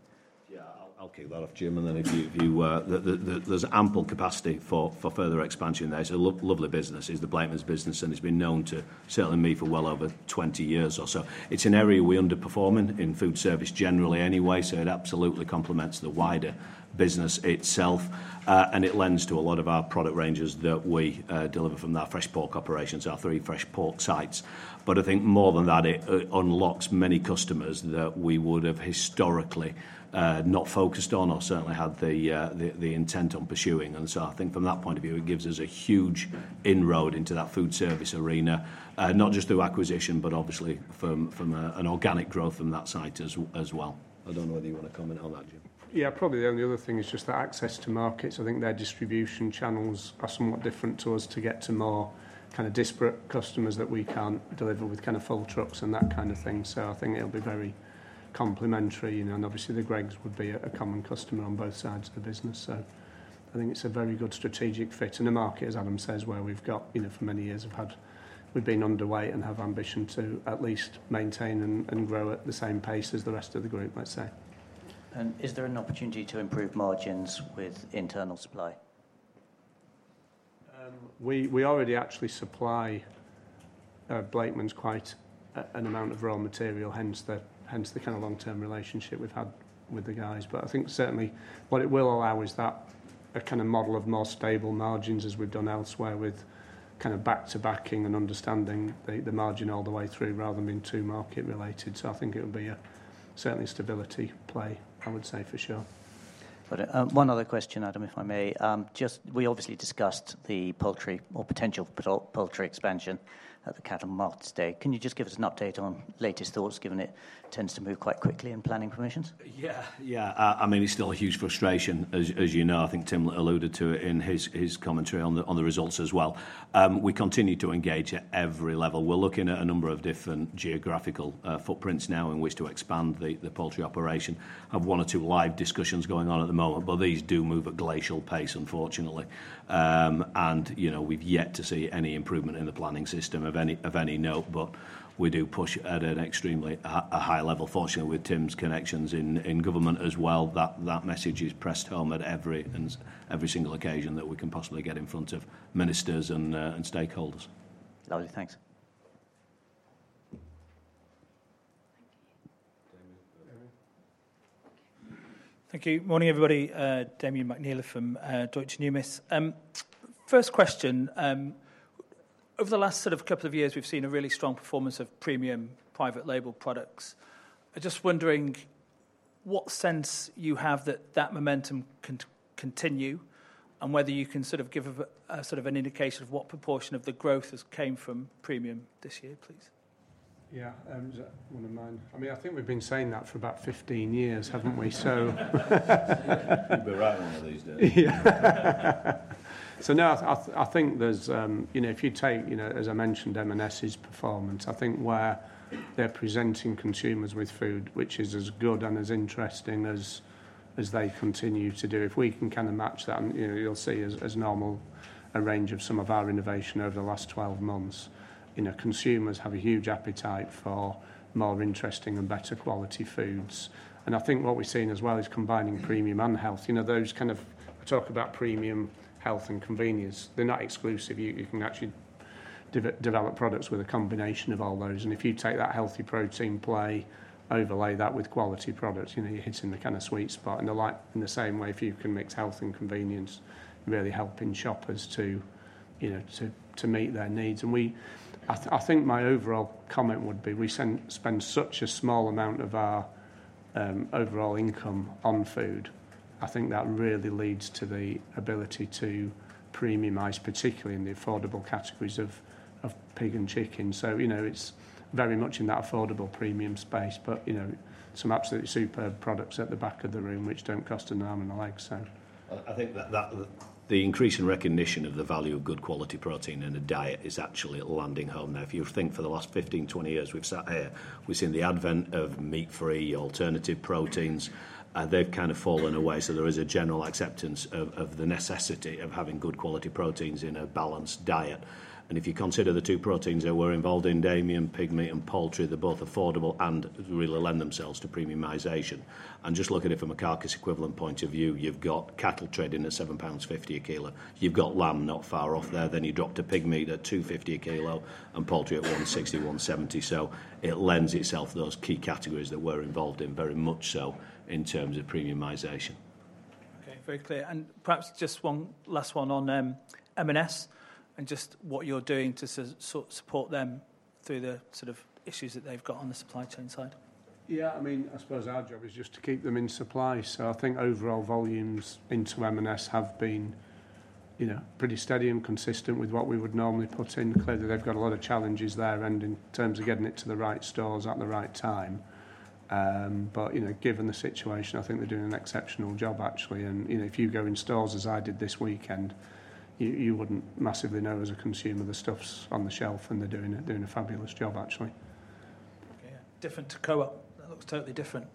Yeah, I'll kick that off, Jim, and then if you, there's ample capacity for further expansion there. It's a lovely business. It's the Blakemans business, and it's been known to certainly me for well over 20 years or so. It's an area we underperform in food service generally anyway, so it absolutely complements the wider business itself, and it lends to a lot of our product ranges that we deliver from that fresh pork operation, so our three fresh pork sites. I think more than that, it unlocks many customers that we would have historically not focused on or certainly had the intent on pursuing. I think from that point of view, it gives us a huge inroad into that food service arena, not just through acquisition, but obviously from an organic growth from that site as well. I do not know whether you want to comment on that, Jim. Yeah, probably the only other thing is just the access to markets. I think their distribution channels are somewhat different to us to get to more kind of disparate customers that we cannot deliver with kind of full trucks and that kind of thing. I think it will be very complementary, and obviously the Greggs would be a common customer on both sides of the business. I think it's a very good strategic fit in a market, as Adam says, where for many years we've been underweight and have ambition to at least maintain and grow at the same pace as the rest of the group, let's say. Is there an opportunity to improve margins with internal supply? We already actually supply Blakemans quite an amount of raw material, hence the kind of long-term relationship we've had with the guys. I think certainly what it will allow is that kind of model of more stable margins as we've done elsewhere with kind of back-to-backing and understanding the margin all the way through rather than being too market-related. I think it would be certainly a stability play, I would say for sure. One other question, Adam, if I may. Just we obviously discussed the poultry or potential poultry expansion at the cattle mart today. Can you just give us an update on latest thoughts, given it tends to move quite quickly in planning permissions? Yeah, yeah. I mean, it's still a huge frustration, as you know. I think Tim alluded to it in his commentary on the results as well. We continue to engage at every level. We're looking at a number of different geographical footprints now in which to expand the poultry operation. I have one or two live discussions going on at the moment, but these do move at glacial pace, unfortunately. We've yet to see any improvement in the planning system of any note, but we do push at an extremely high level. Fortunately, with Tim's connections in government as well, that message is pressed home at every single occasion that we can possibly get in front of ministers and stakeholders. Lovely, thanks. Thank you. Damian. Okay. Thank you. Morning, everybody. Damian McNeil from Deutsche Numis. First question. Over the last sort of couple of years, we've seen a really strong performance of premium private label products. I'm just wondering what sense you have that that momentum can continue and whether you can sort of give a sort of an indication of what proportion of the growth has come from premium this year, please. Yeah, is that one of mine? I mean, I think we've been saying that for about 15 years, haven't we? You'll be right one of these days. Yeah. No, I think there's, you know, if you take, you know, as I mentioned, M&S's performance, I think where they're presenting consumers with food, which is as good and as interesting as they continue to do, if we can kind of match that, you'll see as normal a range of some of our innovation over the last 12 months. You know, consumers have a huge appetite for more interesting and better quality foods. I think what we've seen as well is combining premium and health. You know, those kind of, I talk about premium health and convenience. They're not exclusive. You can actually develop products with a combination of all those. If you take that healthy protein play, overlay that with quality products, you know, you're hitting the kind of sweet spot. In the same way, if you can mix health and convenience, you're really helping shoppers to, you know, to meet their needs. I think my overall comment would be we spend such a small amount of our overall income on food. I think that really leads to the ability to premiumize, particularly in the affordable categories of pig and chicken. You know, it's very much in that affordable premium space, but, you know, some absolutely superb products at the back of the room which do not cost an arm and a leg. I think that the increase in recognition of the value of good quality protein in a diet is actually landing home there. If you think for the last 15-20 years we've sat here, we've seen the advent of meat-free alternative proteins. They've kind of fallen away. There is a general acceptance of the necessity of having good quality proteins in a balanced diet. If you consider the two proteins that we're involved in, Damian, pig meat and poultry, they're both affordable and really lend themselves to premiumization. Just look at it from a carcass equivalent point of view, you've got cattle trading at 7.50 pounds a kilo. You've got lamb not far off there. You drop to pig meat at 2.50 a kilo and poultry at 1.60-1.70. It lends itself to those key categories that we're involved in very much so in terms of premiumization. Okay, very clear. Perhaps just one last one on M&S and just what you're doing to support them through the sort of issues that they've got on the supply chain side. Yeah, I mean, I suppose our job is just to keep them in supply. I think overall volumes into M&S have been, you know, pretty steady and consistent with what we would normally put in. Clearly, they've got a lot of challenges there in terms of getting it to the right stores at the right time. You know, given the situation, I think they're doing an exceptional job actually. You know, if you go in stores as I did this weekend, you would not massively know as a consumer. The stuff's on the shelf and they're doing it, doing a fabulous job actually. Okay, yeah, different to Co-op. That looks totally different.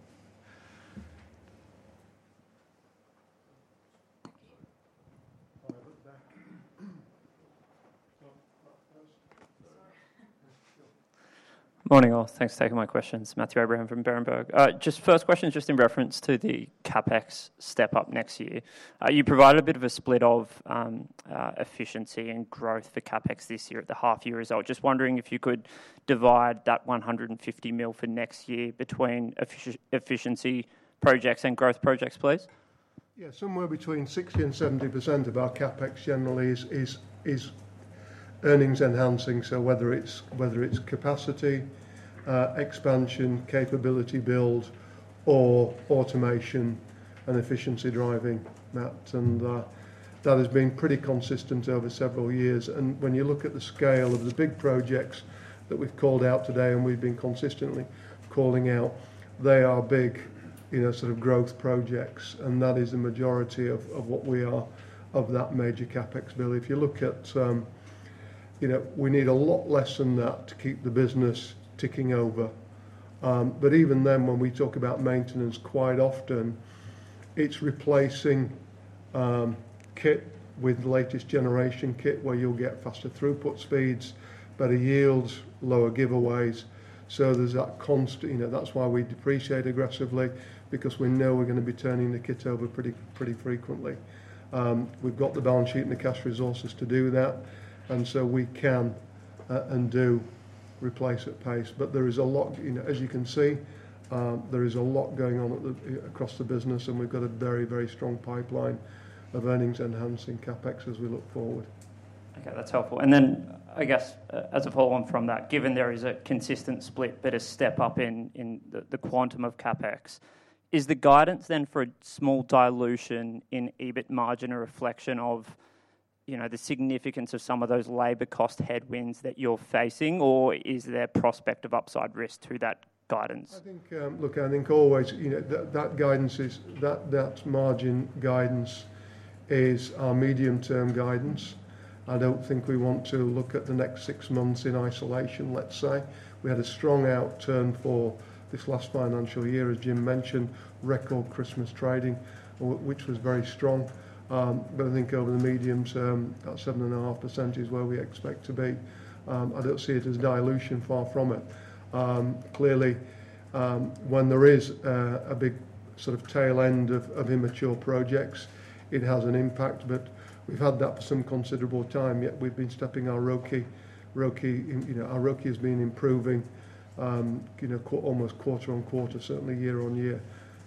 Morning all. Thanks for taking my questions. Matthew Abraham from Berenberg. First question, just in reference to the CapEx step up next year, you provided a bit of a split of efficiency and growth for CapEx this year at the half year result. Just wondering if you could divide that 150 million for next year between efficiency projects and growth projects, please. Yeah, somewhere between 60%-70% of our CapEx generally is earnings enhancing. So whether it's capacity expansion, capability build, or automation and efficiency driving, that has been pretty consistent over several years. And when you look at the scale of the big projects that we've called out today and we've been consistently calling out, they are big, you know, sort of growth projects. And that is the majority of what we are of that major CapEx bill. If you look at, you know, we need a lot less than that to keep the business ticking over. But even then, when we talk about maintenance, quite often it's replacing kit with the latest generation kit where you'll get faster throughput speeds, better yields, lower giveaways. There is that constant, you know, that's why we depreciate aggressively because we know we're going to be turning the kit over pretty frequently. We've got the balance sheet and the cash resources to do that. We can and do replace at pace. There is a lot, you know, as you can see, there is a lot going on across the business and we've got a very, very strong pipeline of earnings enhancing CapEx as we look forward. Okay, that's helpful. I guess as a follow-on from that, given there is a consistent split, bit of step up in the quantum of CapEx, is the guidance then for a small dilution in EBIT margin a reflection of, you know, the significance of some of those labor cost headwinds that you're facing, or is there prospect of upside risk to that guidance? I think, look, I think always, you know, that guidance is that margin guidance is our medium-term guidance. I do not think we want to look at the next six months in isolation, let's say. We had a strong outturn for this last financial year, as Jim mentioned, record Christmas trading, which was very strong. I think over the medium term, that 7.5% is where we expect to be. I do not see it as dilution far from it. Clearly, when there is a big sort of tail end of immature projects, it has an impact, but we have had that for some considerable time. Yet we have been stepping our ROCE, you know, our ROCE has been improving, you know, almost quarter on quarter, certainly year on year.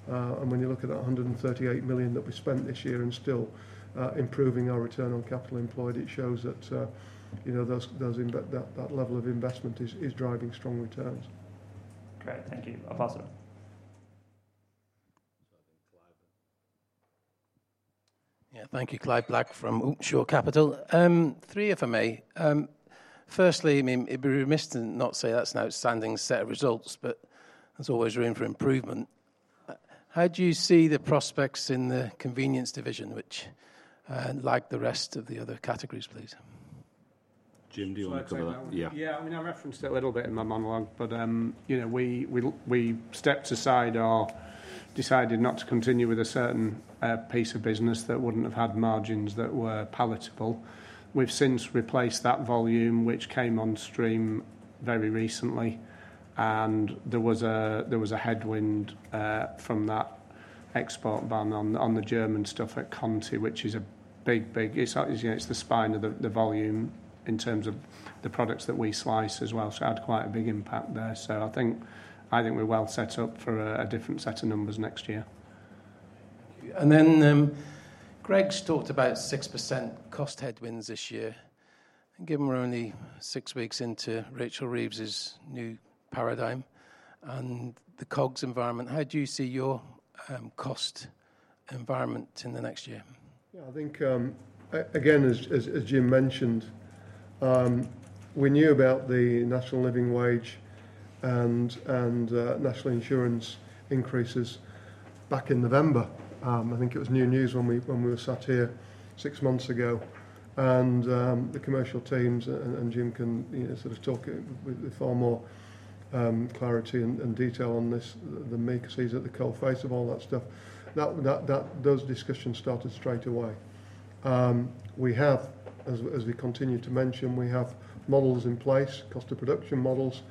When you look at that 138 million that we spent this year and still improving our return on capital employed, it shows that, you know, that level of investment is driving strong returns. Okay, thank you. I'll pass it over. Yeah, thank you, Clive Black from Shore Capital. Three if I may. Firstly, I mean, it'd be remiss to not say that's an outstanding set of results, but there's always room for improvement. How do you see the prospects in the convenience division, which, like the rest of the other categories, please? Jim, do you want to cover that? Yeah. Yeah, I mean, I referenced it a little bit in my monologue, but, you know, we stepped aside or decided not to continue with a certain piece of business that wouldn't have had margins that were palatable. have since replaced that volume, which came on stream very recently, and there was a headwind from that export ban on the German stuff at Conti, which is a big, big, it is the spine of the volume in terms of the products that we slice as well. It had quite a big impact there. I think we are well set up for a different set of numbers next year. Thank you. Greggs talked about 6% cost headwinds this year. I think we are only six weeks into Rachel Reeves's new paradigm and the COGS environment. How do you see your cost environment in the next year? Yeah, I think, again, as Jim mentioned, we knew about the national living wage and national insurance increases back in November. I think it was new news when we were sat here six months ago. The commercial teams and Jim can sort of talk with far more clarity and detail on this than me, because he's at the coal face of all that stuff. Those discussions started straight away. We have, as we continue to mention, models in place, cost of production models.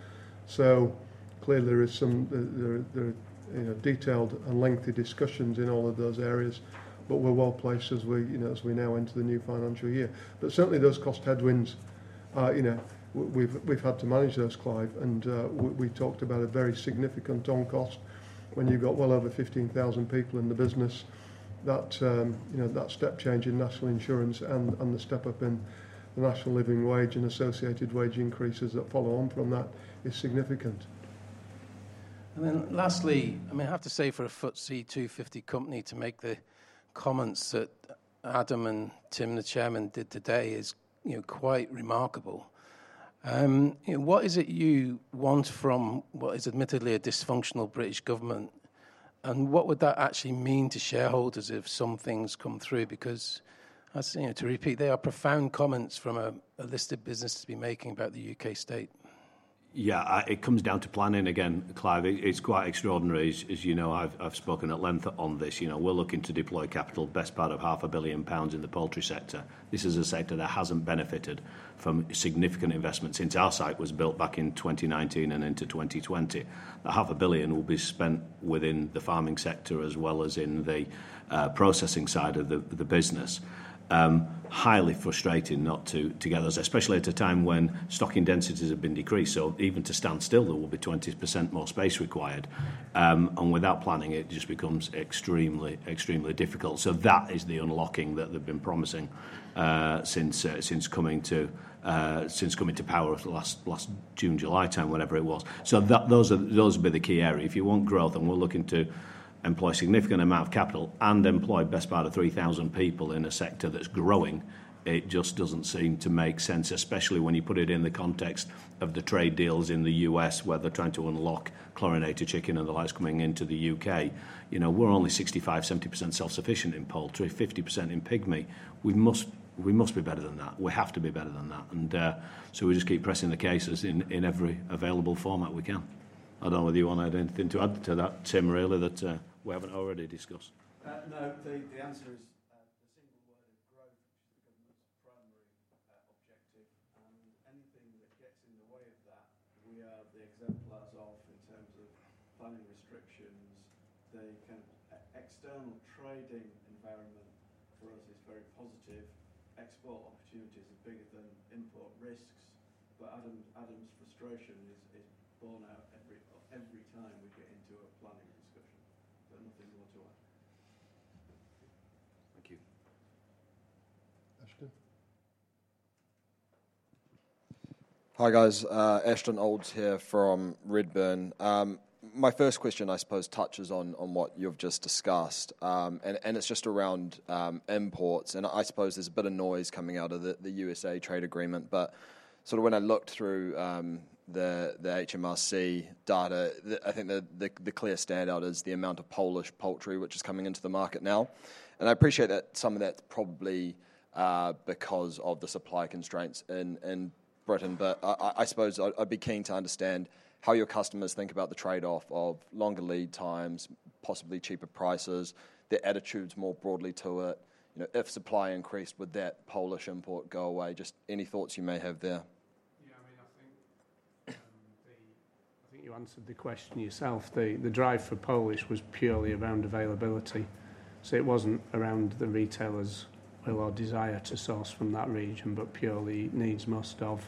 Clearly there are detailed and lengthy discussions in all of those areas, but we're well placed as we now enter the new financial year. Certainly those cost headwinds, you know, we've had to manage those, Clive. We talked about a very significant on cost when you've got well over 15,000 people in the business. That, you know, that step change in national insurance and the step up in the national living wage and associated wage increases that follow on from that is significant. Lastly, I mean, I have to say for a FTSE 250 company to make the comments that Adam and Tim, the Chairman, did today is, you know, quite remarkable. What is it you want from what is admittedly a dysfunctional British government? And what would that actually mean to shareholders if some things come through? Because I see, to repeat, they are profound comments from a listed business to be making about the U.K. state. Yeah, it comes down to planning again, Clive. It's quite extraordinary, as you know. I've spoken at length on this. You know, we're looking to deploy capital, best part of 500 million pounds in the poultry sector. This is a sector that hasn't benefited from significant investment since our site was built back in 2019 and into 2020. 500 million will be spent within the farming sector as well as in the processing side of the business. Highly frustrating not to get those, especially at a time when stocking densities have been decreased. Even to stand still, there will be 20% more space required. Without planning, it just becomes extremely, extremely difficult. That is the unlocking that they have been promising since coming to power last June, July time, whenever it was. Those would be the key area. If you want growth and we are looking to employ a significant amount of capital and employ best part of 3,000 people in a sector that is growing, it just does not seem to make sense, especially when you put it in the context of the trade deals in the U.S. where they are trying to unlock chlorinated chicken and the likes coming into the U.K. You know, we're only 65%-70% self-sufficient in poultry, 50% in pig meat. We must be better than that. We have to be better than that. We just keep pressing the cases in every available format we can. I don't know whether you want to add anything to that, Tim, really, that we haven't already discussed. No, the answer is the single word of growth, which is the government's primary objective. Anything that gets in the way of that, we are the exemplars of in terms of planning restrictions. The kind of external trading environment for us is very positive. Export opportunities are bigger than import risks. Adam's frustration is borne out every time we get into a planning discussion. Nothing more to add. Thank you. Ashton. Hi guys, Ashton Olds here from Redburn. My first question, I suppose, touches on what you've just discussed. It's just around imports. I suppose there's a bit of noise coming out of the U.S.A. trade agreement. When I looked through the HMRC data, I think the clear standout is the amount of Polish poultry which is coming into the market now. I appreciate that some of that's probably because of the supply constraints in Britain. I suppose I'd be keen to understand how your customers think about the trade-off of longer lead times, possibly cheaper prices, their attitudes more broadly to it. You know, if supply increased, would that Polish import go away? Just any thoughts you may have there. Yeah, I mean, I think you answered the question yourself. The drive for Polish was purely around availability. It was not around the retailers or desire to source from that region, but purely needs most of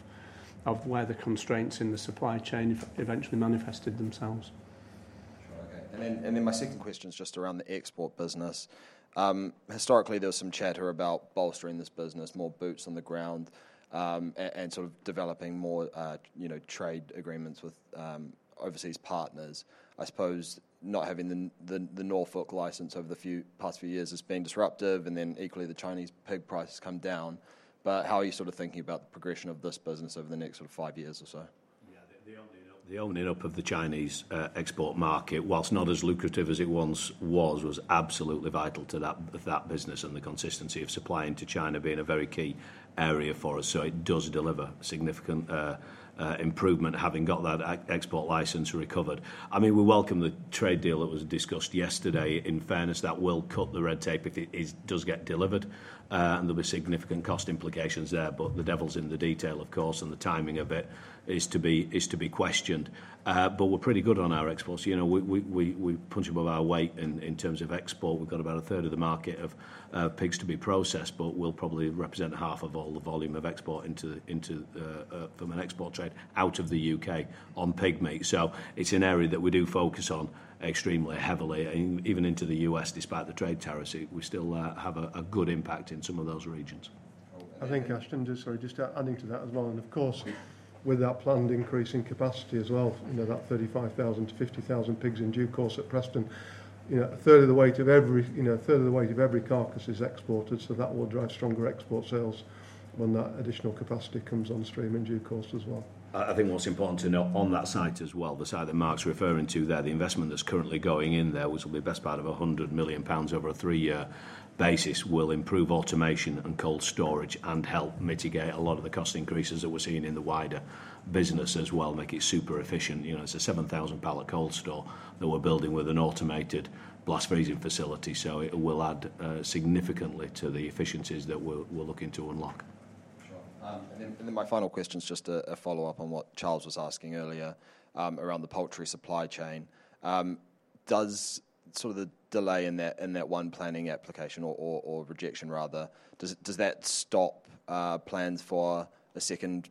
where the constraints in the supply chain eventually manifested themselves. Sure, okay. My second question is just around the export business. Historically, there was some chatter about bolstering this business, more boots on the ground, and sort of developing more, you know, trade agreements with overseas partners. I suppose not having the Norfolk license over the past few years has been disruptive. Equally, the Chinese pig price has come down. How are you sort of thinking about the progression of this business over the next five years or so? Yeah, the only help of the Chinese export market, whilst not as lucrative as it once was, was absolutely vital to that business and the consistency of supplying to China being a very key area for us. It does deliver significant improvement having got that export license recovered. I mean, we welcome the trade deal that was discussed yesterday. In fairness, that will cut the red tape if it does get delivered. There will be significant cost implications there. The devil's in the detail, of course, and the timing of it is to be questioned. We're pretty good on our exports. You know, we punch above our weight in terms of export. We've got about a third of the market of pigs to be processed, but we'll probably represent half of all the volume of export from an export trade out of the U.K. on pig meat. It's an area that we do focus on extremely heavily. Even into the U.S., despite the trade tariffs, we still have a good impact in some of those regions. I think, Ashton, just sorry, just adding to that as well. Of course, with that planned increase in capacity as well, that 35,000-50,000 pigs in due course at Preston, a third of the weight of every carcass is exported. That will drive stronger export sales when that additional capacity comes on stream in due course as well. I think what's important to note on that site as well, the site that Mark's referring to there, the investment that's currently going in there, which will be best part of 100 million pounds over a three-year basis, will improve automation and cold storage and help mitigate a lot of the cost increases that we're seeing in the wider business as well, make it super efficient. You know, it's a 7,000 pallet cold store that we're building with an automated blast freezing facility. It will add significantly to the efficiencies that we're looking to unlock. Sure. My final question is just a follow-up on what Charles was asking earlier around the poultry supply chain. Does sort of the delay in that one planning application or rejection, rather, does that stop plans for a second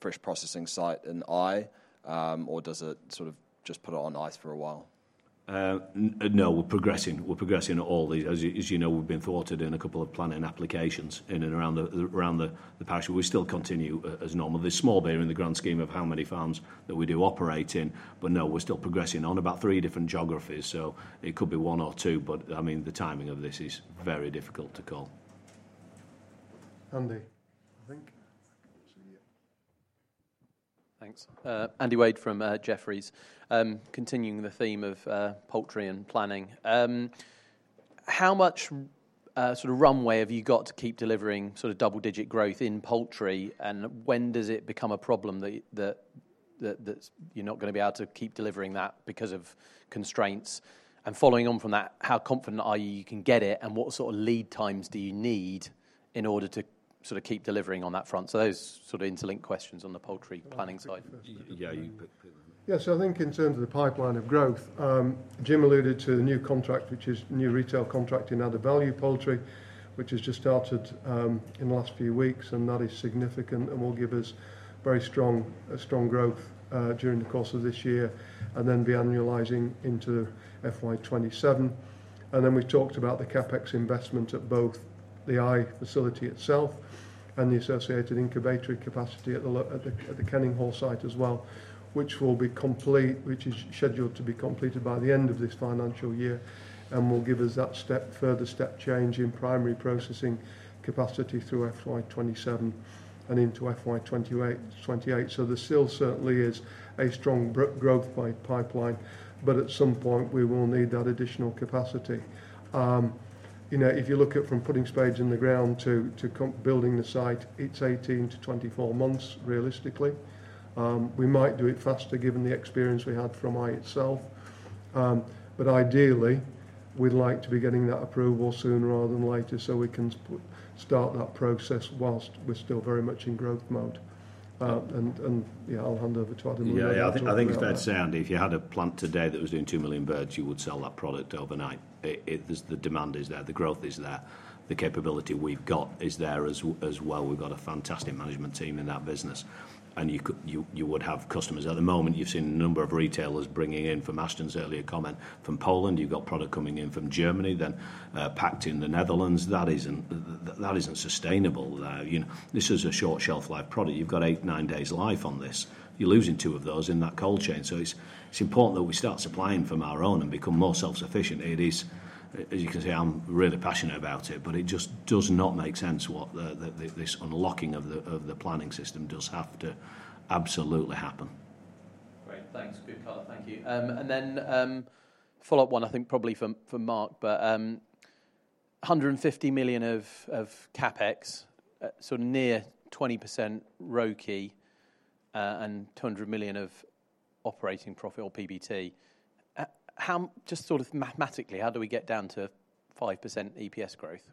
fresh processing site in Eye? Or does it sort of just put it on ice for a while? No, we're progressing. We're progressing all these. As you know, we've been thwarted in a couple of planning applications in and around the past. We still continue as normal. There's small bearing in the grand scheme of how many farms that we do operate in. No, we're still progressing on about three different geographies. It could be one or two. I mean, the timing of this is very difficult to call. Andy, I think. Thanks. Andy Wade from Jefferies. Continuing the theme of poultry and planning. How much sort of runway have you got to keep delivering sort of double-digit growth in poultry? When does it become a problem that you're not going to be able to keep delivering that because of constraints? Following on from that, how confident are you you can get it? What sort of lead times do you need in order to keep delivering on that front? Those are interlinked questions on the poultry planning side. Yeah, you pick them. Yeah, I think in terms of the pipeline of growth, Jim alluded to the new contract, which is a new retail contract in added value poultry, which has just started in the last few weeks. That is significant and will give us very strong growth during the course of this year and then be annualizing into FY2027. We have talked about the CapEx investment at both the I facility itself and the associated incubator capacity at the Kenninghall site as well, which is scheduled to be completed by the end of this financial year and will give us that further step change in primary processing capacity through FY27 and into FY28. There certainly is a strong growth pipeline, but at some point we will need that additional capacity. You know, if you look at from putting spades in the ground to building the site, it is 18-24 months realistically. We might do it faster given the experience we had from I itself. Ideally, we would like to be getting that approval sooner rather than later so we can start that process whilst we are still very much in growth mode. Yeah, I will hand over to Adam. Yeah, I think it's fair to say, Andy, if you had a plant today that was doing 2 million birds, you would sell that product overnight. The demand is there, the growth is there, the capability we've got is there as well. We've got a fantastic management team in that business. You would have customers at the moment. You've seen a number of retailers bringing in, from Ashton's earlier comment, from Poland, you've got product coming in from Germany, then packed in the Netherlands. That isn't sustainable. This is a short shelf life product. You've got eight, nine days life on this. You're losing two of those in that cold chain. It is important that we start supplying from our own and become more self-sufficient. It is, as you can see, I'm really passionate about it, but it just does not make sense what this unlocking of the planning system does have to absolutely happen. Great, thanks. Good color, thank you. And then follow-up one, I think probably from Mark, but 150 million of CapEx, so near 20% ROCE and 200 million of operating profit or PBT. Just sort of mathematically, how do we get down to 5% EPS growth?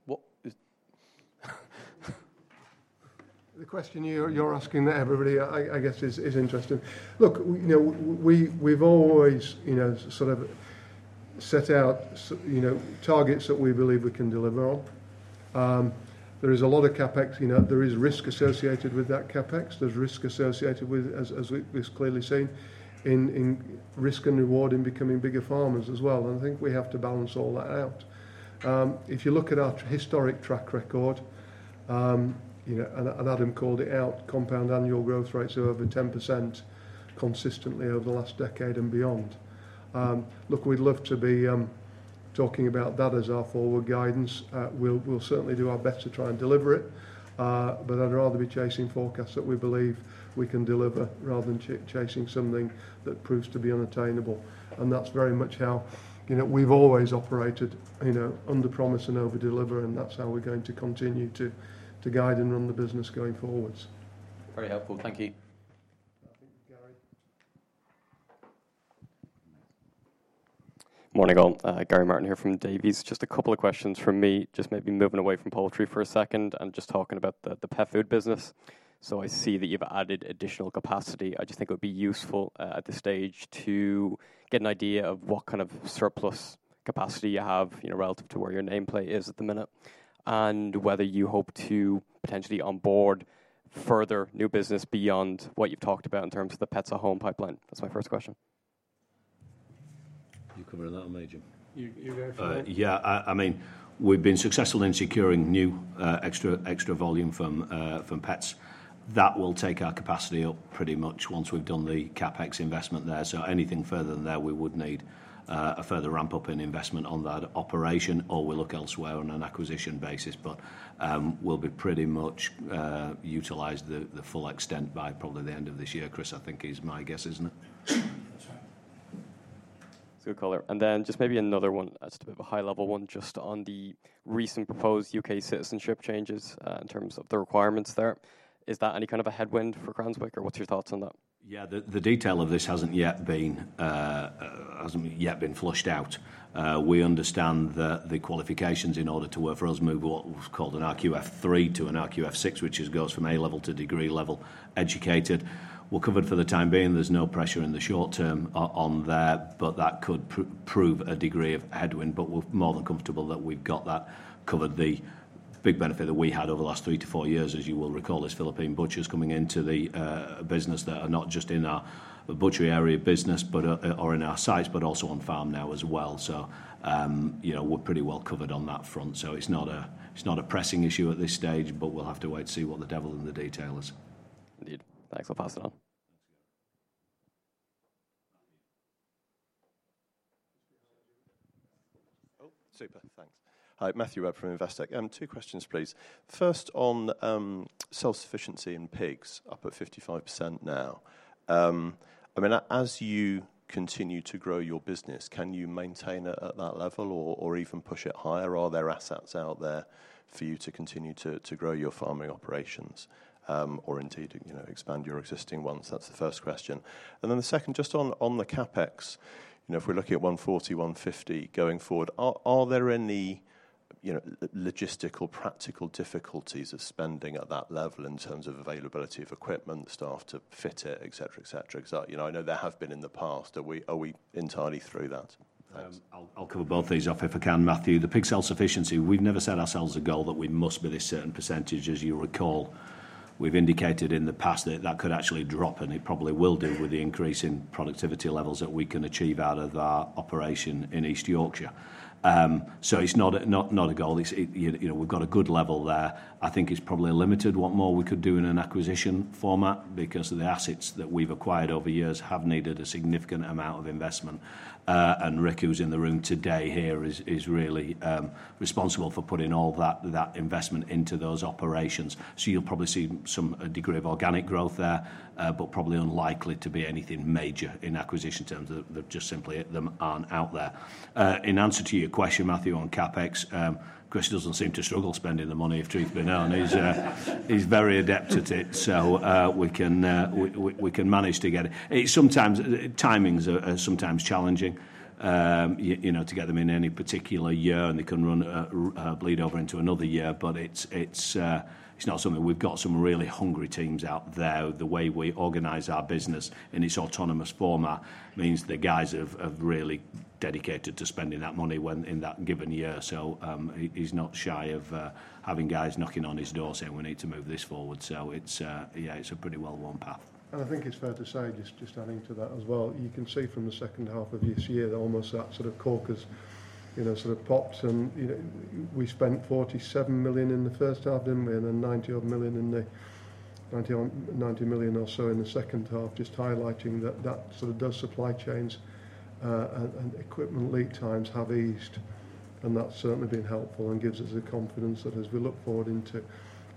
The question you're asking that everybody, I guess, is interesting. Look, you know, we've always, you know, sort of set out, you know, targets that we believe we can deliver on. There is a lot of CapEx, you know, there is risk associated with that CapEx. There's risk associated with, as we've clearly seen, in risk and reward in becoming bigger farmers as well. I think we have to balance all that out. If you look at our historic track record, you know, and Adam called it out, compound annual growth rates of over 10% consistently over the last decade and beyond. Look, we'd love to be talking about that as our forward guidance. We'll certainly do our best to try and deliver it, but I'd rather be chasing forecasts that we believe we can deliver rather than chasing something that proves to be unattainable. That is very much how, you know, we've always operated, you know, under promise and over deliver. That is how we're going to continue to guide and run the business going forwards. Very helpful, thank you. Thank you, Gary. Morning on, Gary Martin here from Davy. Just a couple of questions from me, just maybe moving away from poultry for a second and just talking about the pet food business. I see that you've added additional capacity. I just think it would be useful at this stage to get an idea of what kind of surplus capacity you have, you know, relative to where your nameplate is at the minute and whether you hope to potentially onboard further new business beyond what you've talked about in terms of the Pets at Home pipeline. That's my first question. You covered that, I'm aging. You're going forward. Yeah, I mean, we've been successful in securing new extra volume from Pets. That will take our capacity up pretty much once we've done the CapEx investment there. So anything further than that, we would need a further ramp up in investment on that operation or we'll look elsewhere on an acquisition basis. But we'll be pretty much utilized the full extent by probably the end of this year, Chris, I think is my guess, isn't it? That's right. That's good color. Maybe another one, just a bit of a high-level one just on the recent proposed U.K. citizenship changes in terms of the requirements there. Is that any kind of a headwind for Cranswick or what is your thoughts on that? Yeah, the detail of this has not yet been, has not yet been flushed out. We understand that the qualifications in order to work for us move what was called an RQF3 to an RQF6, which goes from A level to degree level educated. We are covered for the time being. There is no pressure in the short term on there, but that could prove a degree of headwind. We are more than comfortable that we have got that covered. The big benefit that we had over the last three to four years, as you will recall, is Philippine butchers coming into the business that are not just in our butchery area business, but in our sites, but also on farm now as well. You know, we're pretty well covered on that front. It's not a pressing issue at this stage, but we'll have to wait to see what the devil in the detail is. Indeed. Thanks. I'll pass it on. Oh, super. Thanks. Hi, Matthew Webb from Investec. Two questions, please. First on self-sufficiency in pigs, up at 55% now. I mean, as you continue to grow your business, can you maintain it at that level or even push it higher? Are there assets out there for you to continue to grow your farming operations or indeed, you know, expand your existing ones? That's the first question. And then the second, just on the CapEx, you know, if we're looking at 140 million-150 million going forward, are there any, you know, logistical, practical difficulties of spending at that level in terms of availability of equipment, staff to fit it, et cetera, et cetera? You know, I know there have been in the past. Are we entirely through that? Thanks. I'll cover both these off if I can, Matthew. The pig self-sufficiency, we've never set ourselves a goal that we must be this certain percentage. As you recall, we've indicated in the past that that could actually drop, and it probably will do with the increase in productivity levels that we can achieve out of our operation in East Yorkshire. So it's not a goal. You know, we've got a good level there. I think it's probably limited what more we could do in an acquisition format because the assets that we've acquired over years have needed a significant amount of investment. And Rick, who's in the room today here, is really responsible for putting all that investment into those operations. You'll probably see some degree of organic growth there, but probably unlikely to be anything major in acquisition terms that just simply them aren't out there. In answer to your question, Matthew, on CapEx, Chris doesn't seem to struggle spending the money, if truth be known. He's very adept at it. We can manage to get it. Sometimes timing's sometimes challenging, you know, to get them in any particular year and they can bleed over into another year. It's not something we've got some really hungry teams out there. The way we organize our business in its autonomous format means the guys have really dedicated to spending that money when in that given year. He is not shy of having guys knocking on his door saying, "We need to move this forward." It is, yeah, a pretty well-worn path. I think it is fair to say, just adding to that as well, you can see from the second half of this year that almost that sort of caucus, you know, sort of popped. You know, we spent 47 million in the first half, did we not? Then 90 million or so in the second half, just highlighting that that sort of does supply chains and equipment lead times have eased. That's certainly been helpful and gives us the confidence that as we look forward into the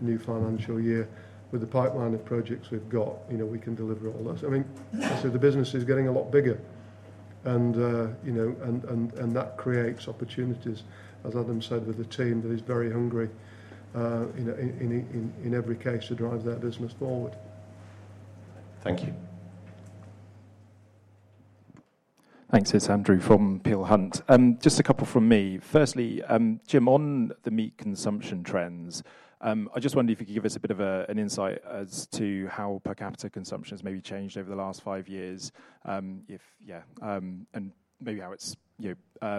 new financial year with the pipeline of projects we've got, you know, we can deliver all those. I mean, the business is getting a lot bigger. You know, that creates opportunities, as Adam said, with a team that is very hungry, you know, in every case to drive that business forward. Thank you. Thanks, it's Andrew from Peel Hunt. Just a couple from me. Firstly, Jim, on the meat consumption trends, I just wondered if you could give us a bit of an insight as to how per capita consumption has maybe changed over the last five years. If, yeah, and maybe how it's, you know,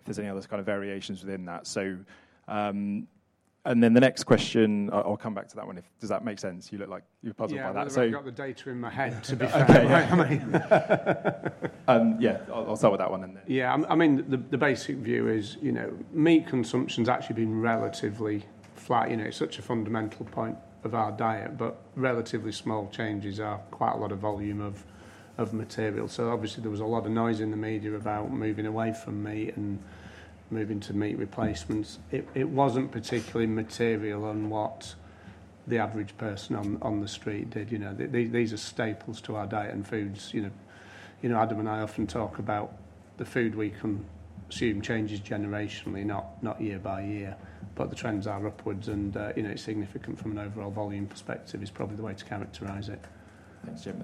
if there's any other kind of variations within that. The next question, I'll come back to that one. Does that make sense? You look like you're puzzled by that. I don't have the data in my head, to be fair. Yeah, I'll start with that one then. Yeah, I mean, the basic view is, you know, meat consumption's actually been relatively flat. You know, it's such a fundamental point of our diet, but relatively small changes are quite a lot of volume of material. Obviously there was a lot of noise in the media about moving away from meat and moving to meat replacements. It wasn't particularly material on what the average person on the street did. You know, these are staples to our diet and foods. You know, Adam and I often talk about the food we consume changes generationally, not year by year, but the trends are upwards. You know, it's significant from an overall volume perspective. It's probably the way to characterize it. Thanks, Jim.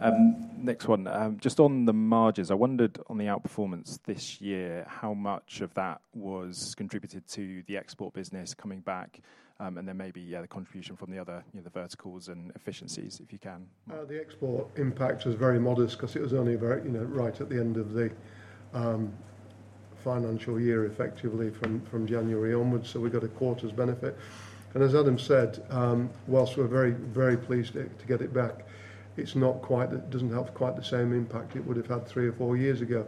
Next one, just on the margins, I wondered on the outperformance this year, how much of that was contributed to the export business coming back? And then maybe the contribution from the other, you know, the verticals and efficiencies, if you can. The export impact was very modest because it was only very, you know, right at the end of the financial year, effectively from January onwards. We got a quarter's benefit. As Adam said, whilst we're very, very pleased to get it back, it does not have quite the same impact it would have had three or four years ago.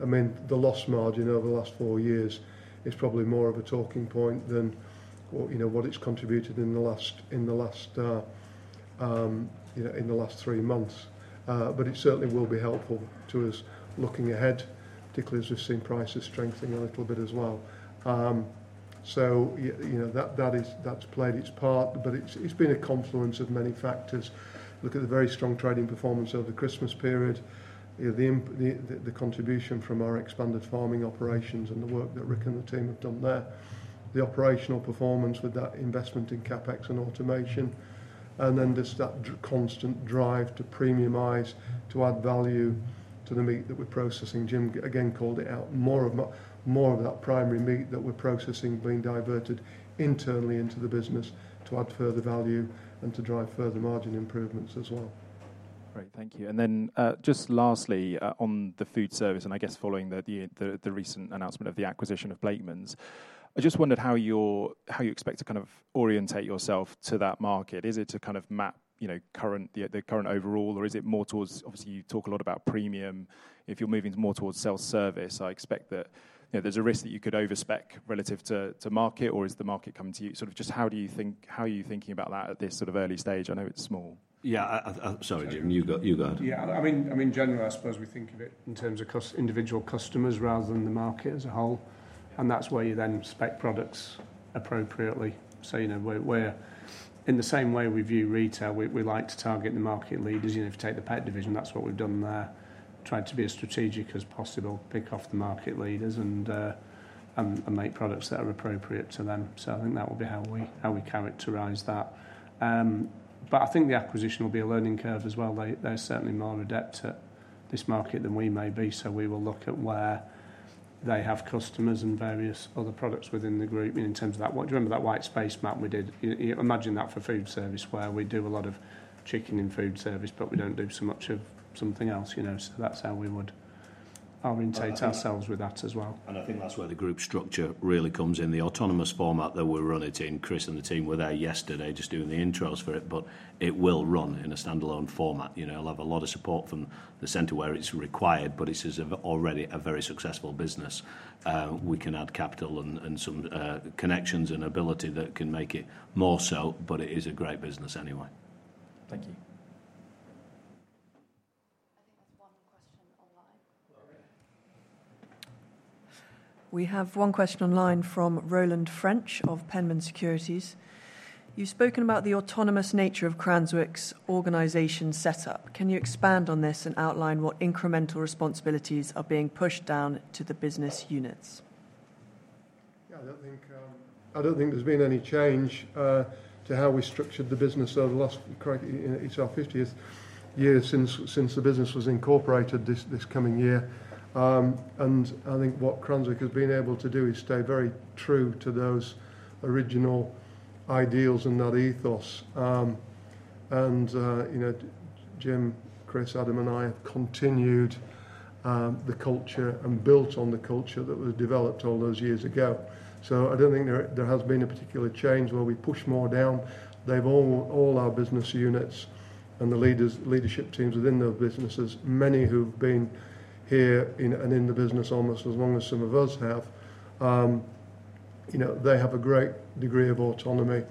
I mean, the loss margin over the last four years is probably more of a talking point than, you know, what it's contributed in the last three months. It certainly will be helpful to us looking ahead, particularly as we've seen prices strengthening a little bit as well. You know, that's played its part, but it's been a confluence of many factors. Look at the very strong trading performance over the Christmas period, you know, the contribution from our expanded farming operations and the work that Rick and the team have done there, the operational performance with that investment in CapEx and automation, and then just that constant drive to premiumize, to add value to the meat that we're processing. Jim again called it out, more of that primary meat that we're processing being diverted internally into the business to add further value and to drive further margin improvements as well. Great, thank you. Lastly, on the food service, and I guess following the recent announcement of the acquisition of Blakemans, I just wondered how you expect to kind of orientate yourself to that market. Is it to kind of map, you know, the current overall, or is it more towards, obviously you talk a lot about premium. If you're moving more towards self-service, I expect that, you know, there's a risk that you could overspec relative to market, or is the market coming to you? Sort of just how do you think, how are you thinking about that at this sort of early stage? I know it's small. Yeah, sorry, Jim, you go. Yeah, I mean, in general, I suppose we think of it in terms of individual customers rather than the market as a whole. And that's where you then spec products appropriately. You know, we're in the same way we view retail, we like to target the market leaders. You know, if you take the pet division, that's what we've done there. Tried to be as strategic as possible, pick off the market leaders and make products that are appropriate to them. I think that will be how we characterize that. I think the acquisition will be a learning curve as well. They're certainly more adept at this market than we may be. We will look at where they have customers and various other products within the group in terms of that. Do you remember that white space map we did? Imagine that for food service where we do a lot of chicken and food service, but we don't do so much of something else, you know. That is how we would orientate ourselves with that as well. I think that is where the group structure really comes in. The autonomous format that we are running it in, Chris and the team were there yesterday just doing the intros for it, but it will run in a standalone format. You know, I will have a lot of support from the center where it is required, but it is already a very successful business. We can add capital and some connections and ability that can make it more so, but it is a great business anyway. Thank you. I think that is one question online. We have one question online from Roland French of Penman Securities. You have spoken about the autonomous nature of Cranswick's organization setup. Can you expand on this and outline what incremental responsibilities are being pushed down to the business units? Yeah, I do not think there has been any change to how we structured the business over the last, correctly, it is our 50th year since the business was incorporated this coming year. I think what Cranswick has been able to do is stay very true to those original ideals and that ethos. You know, Jim, Chris, Adam, and I have continued the culture and built on the culture that was developed all those years ago. I do not think there has been a particular change where we push more down. All our business units and the leadership teams within those businesses, many who have been here and in the business almost as long as some of us have, you know, they have a great degree of autonomy.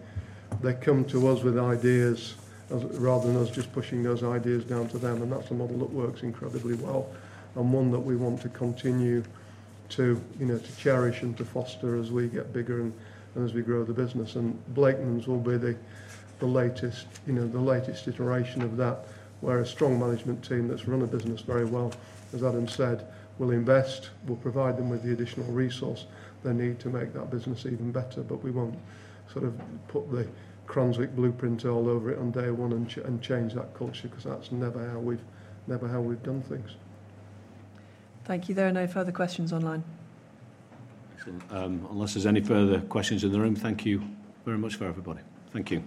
They come to us with ideas rather than us just pushing those ideas down to them. That's a model that works incredibly well and one that we want to continue to, you know, to cherish and to foster as we get bigger and as we grow the business. Blakemans will be the latest, you know, the latest iteration of that where a strong management team that's run a business very well, as Adam said, will invest, will provide them with the additional resource they need to make that business even better. We won't sort of put the Cranswick blueprint all over it on day one and change that culture because that's never how we've, never how we've done things. Thank you there. No further questions online. Excellent. Unless there's any further questions in the room, thank you very much for everybody. Thank you.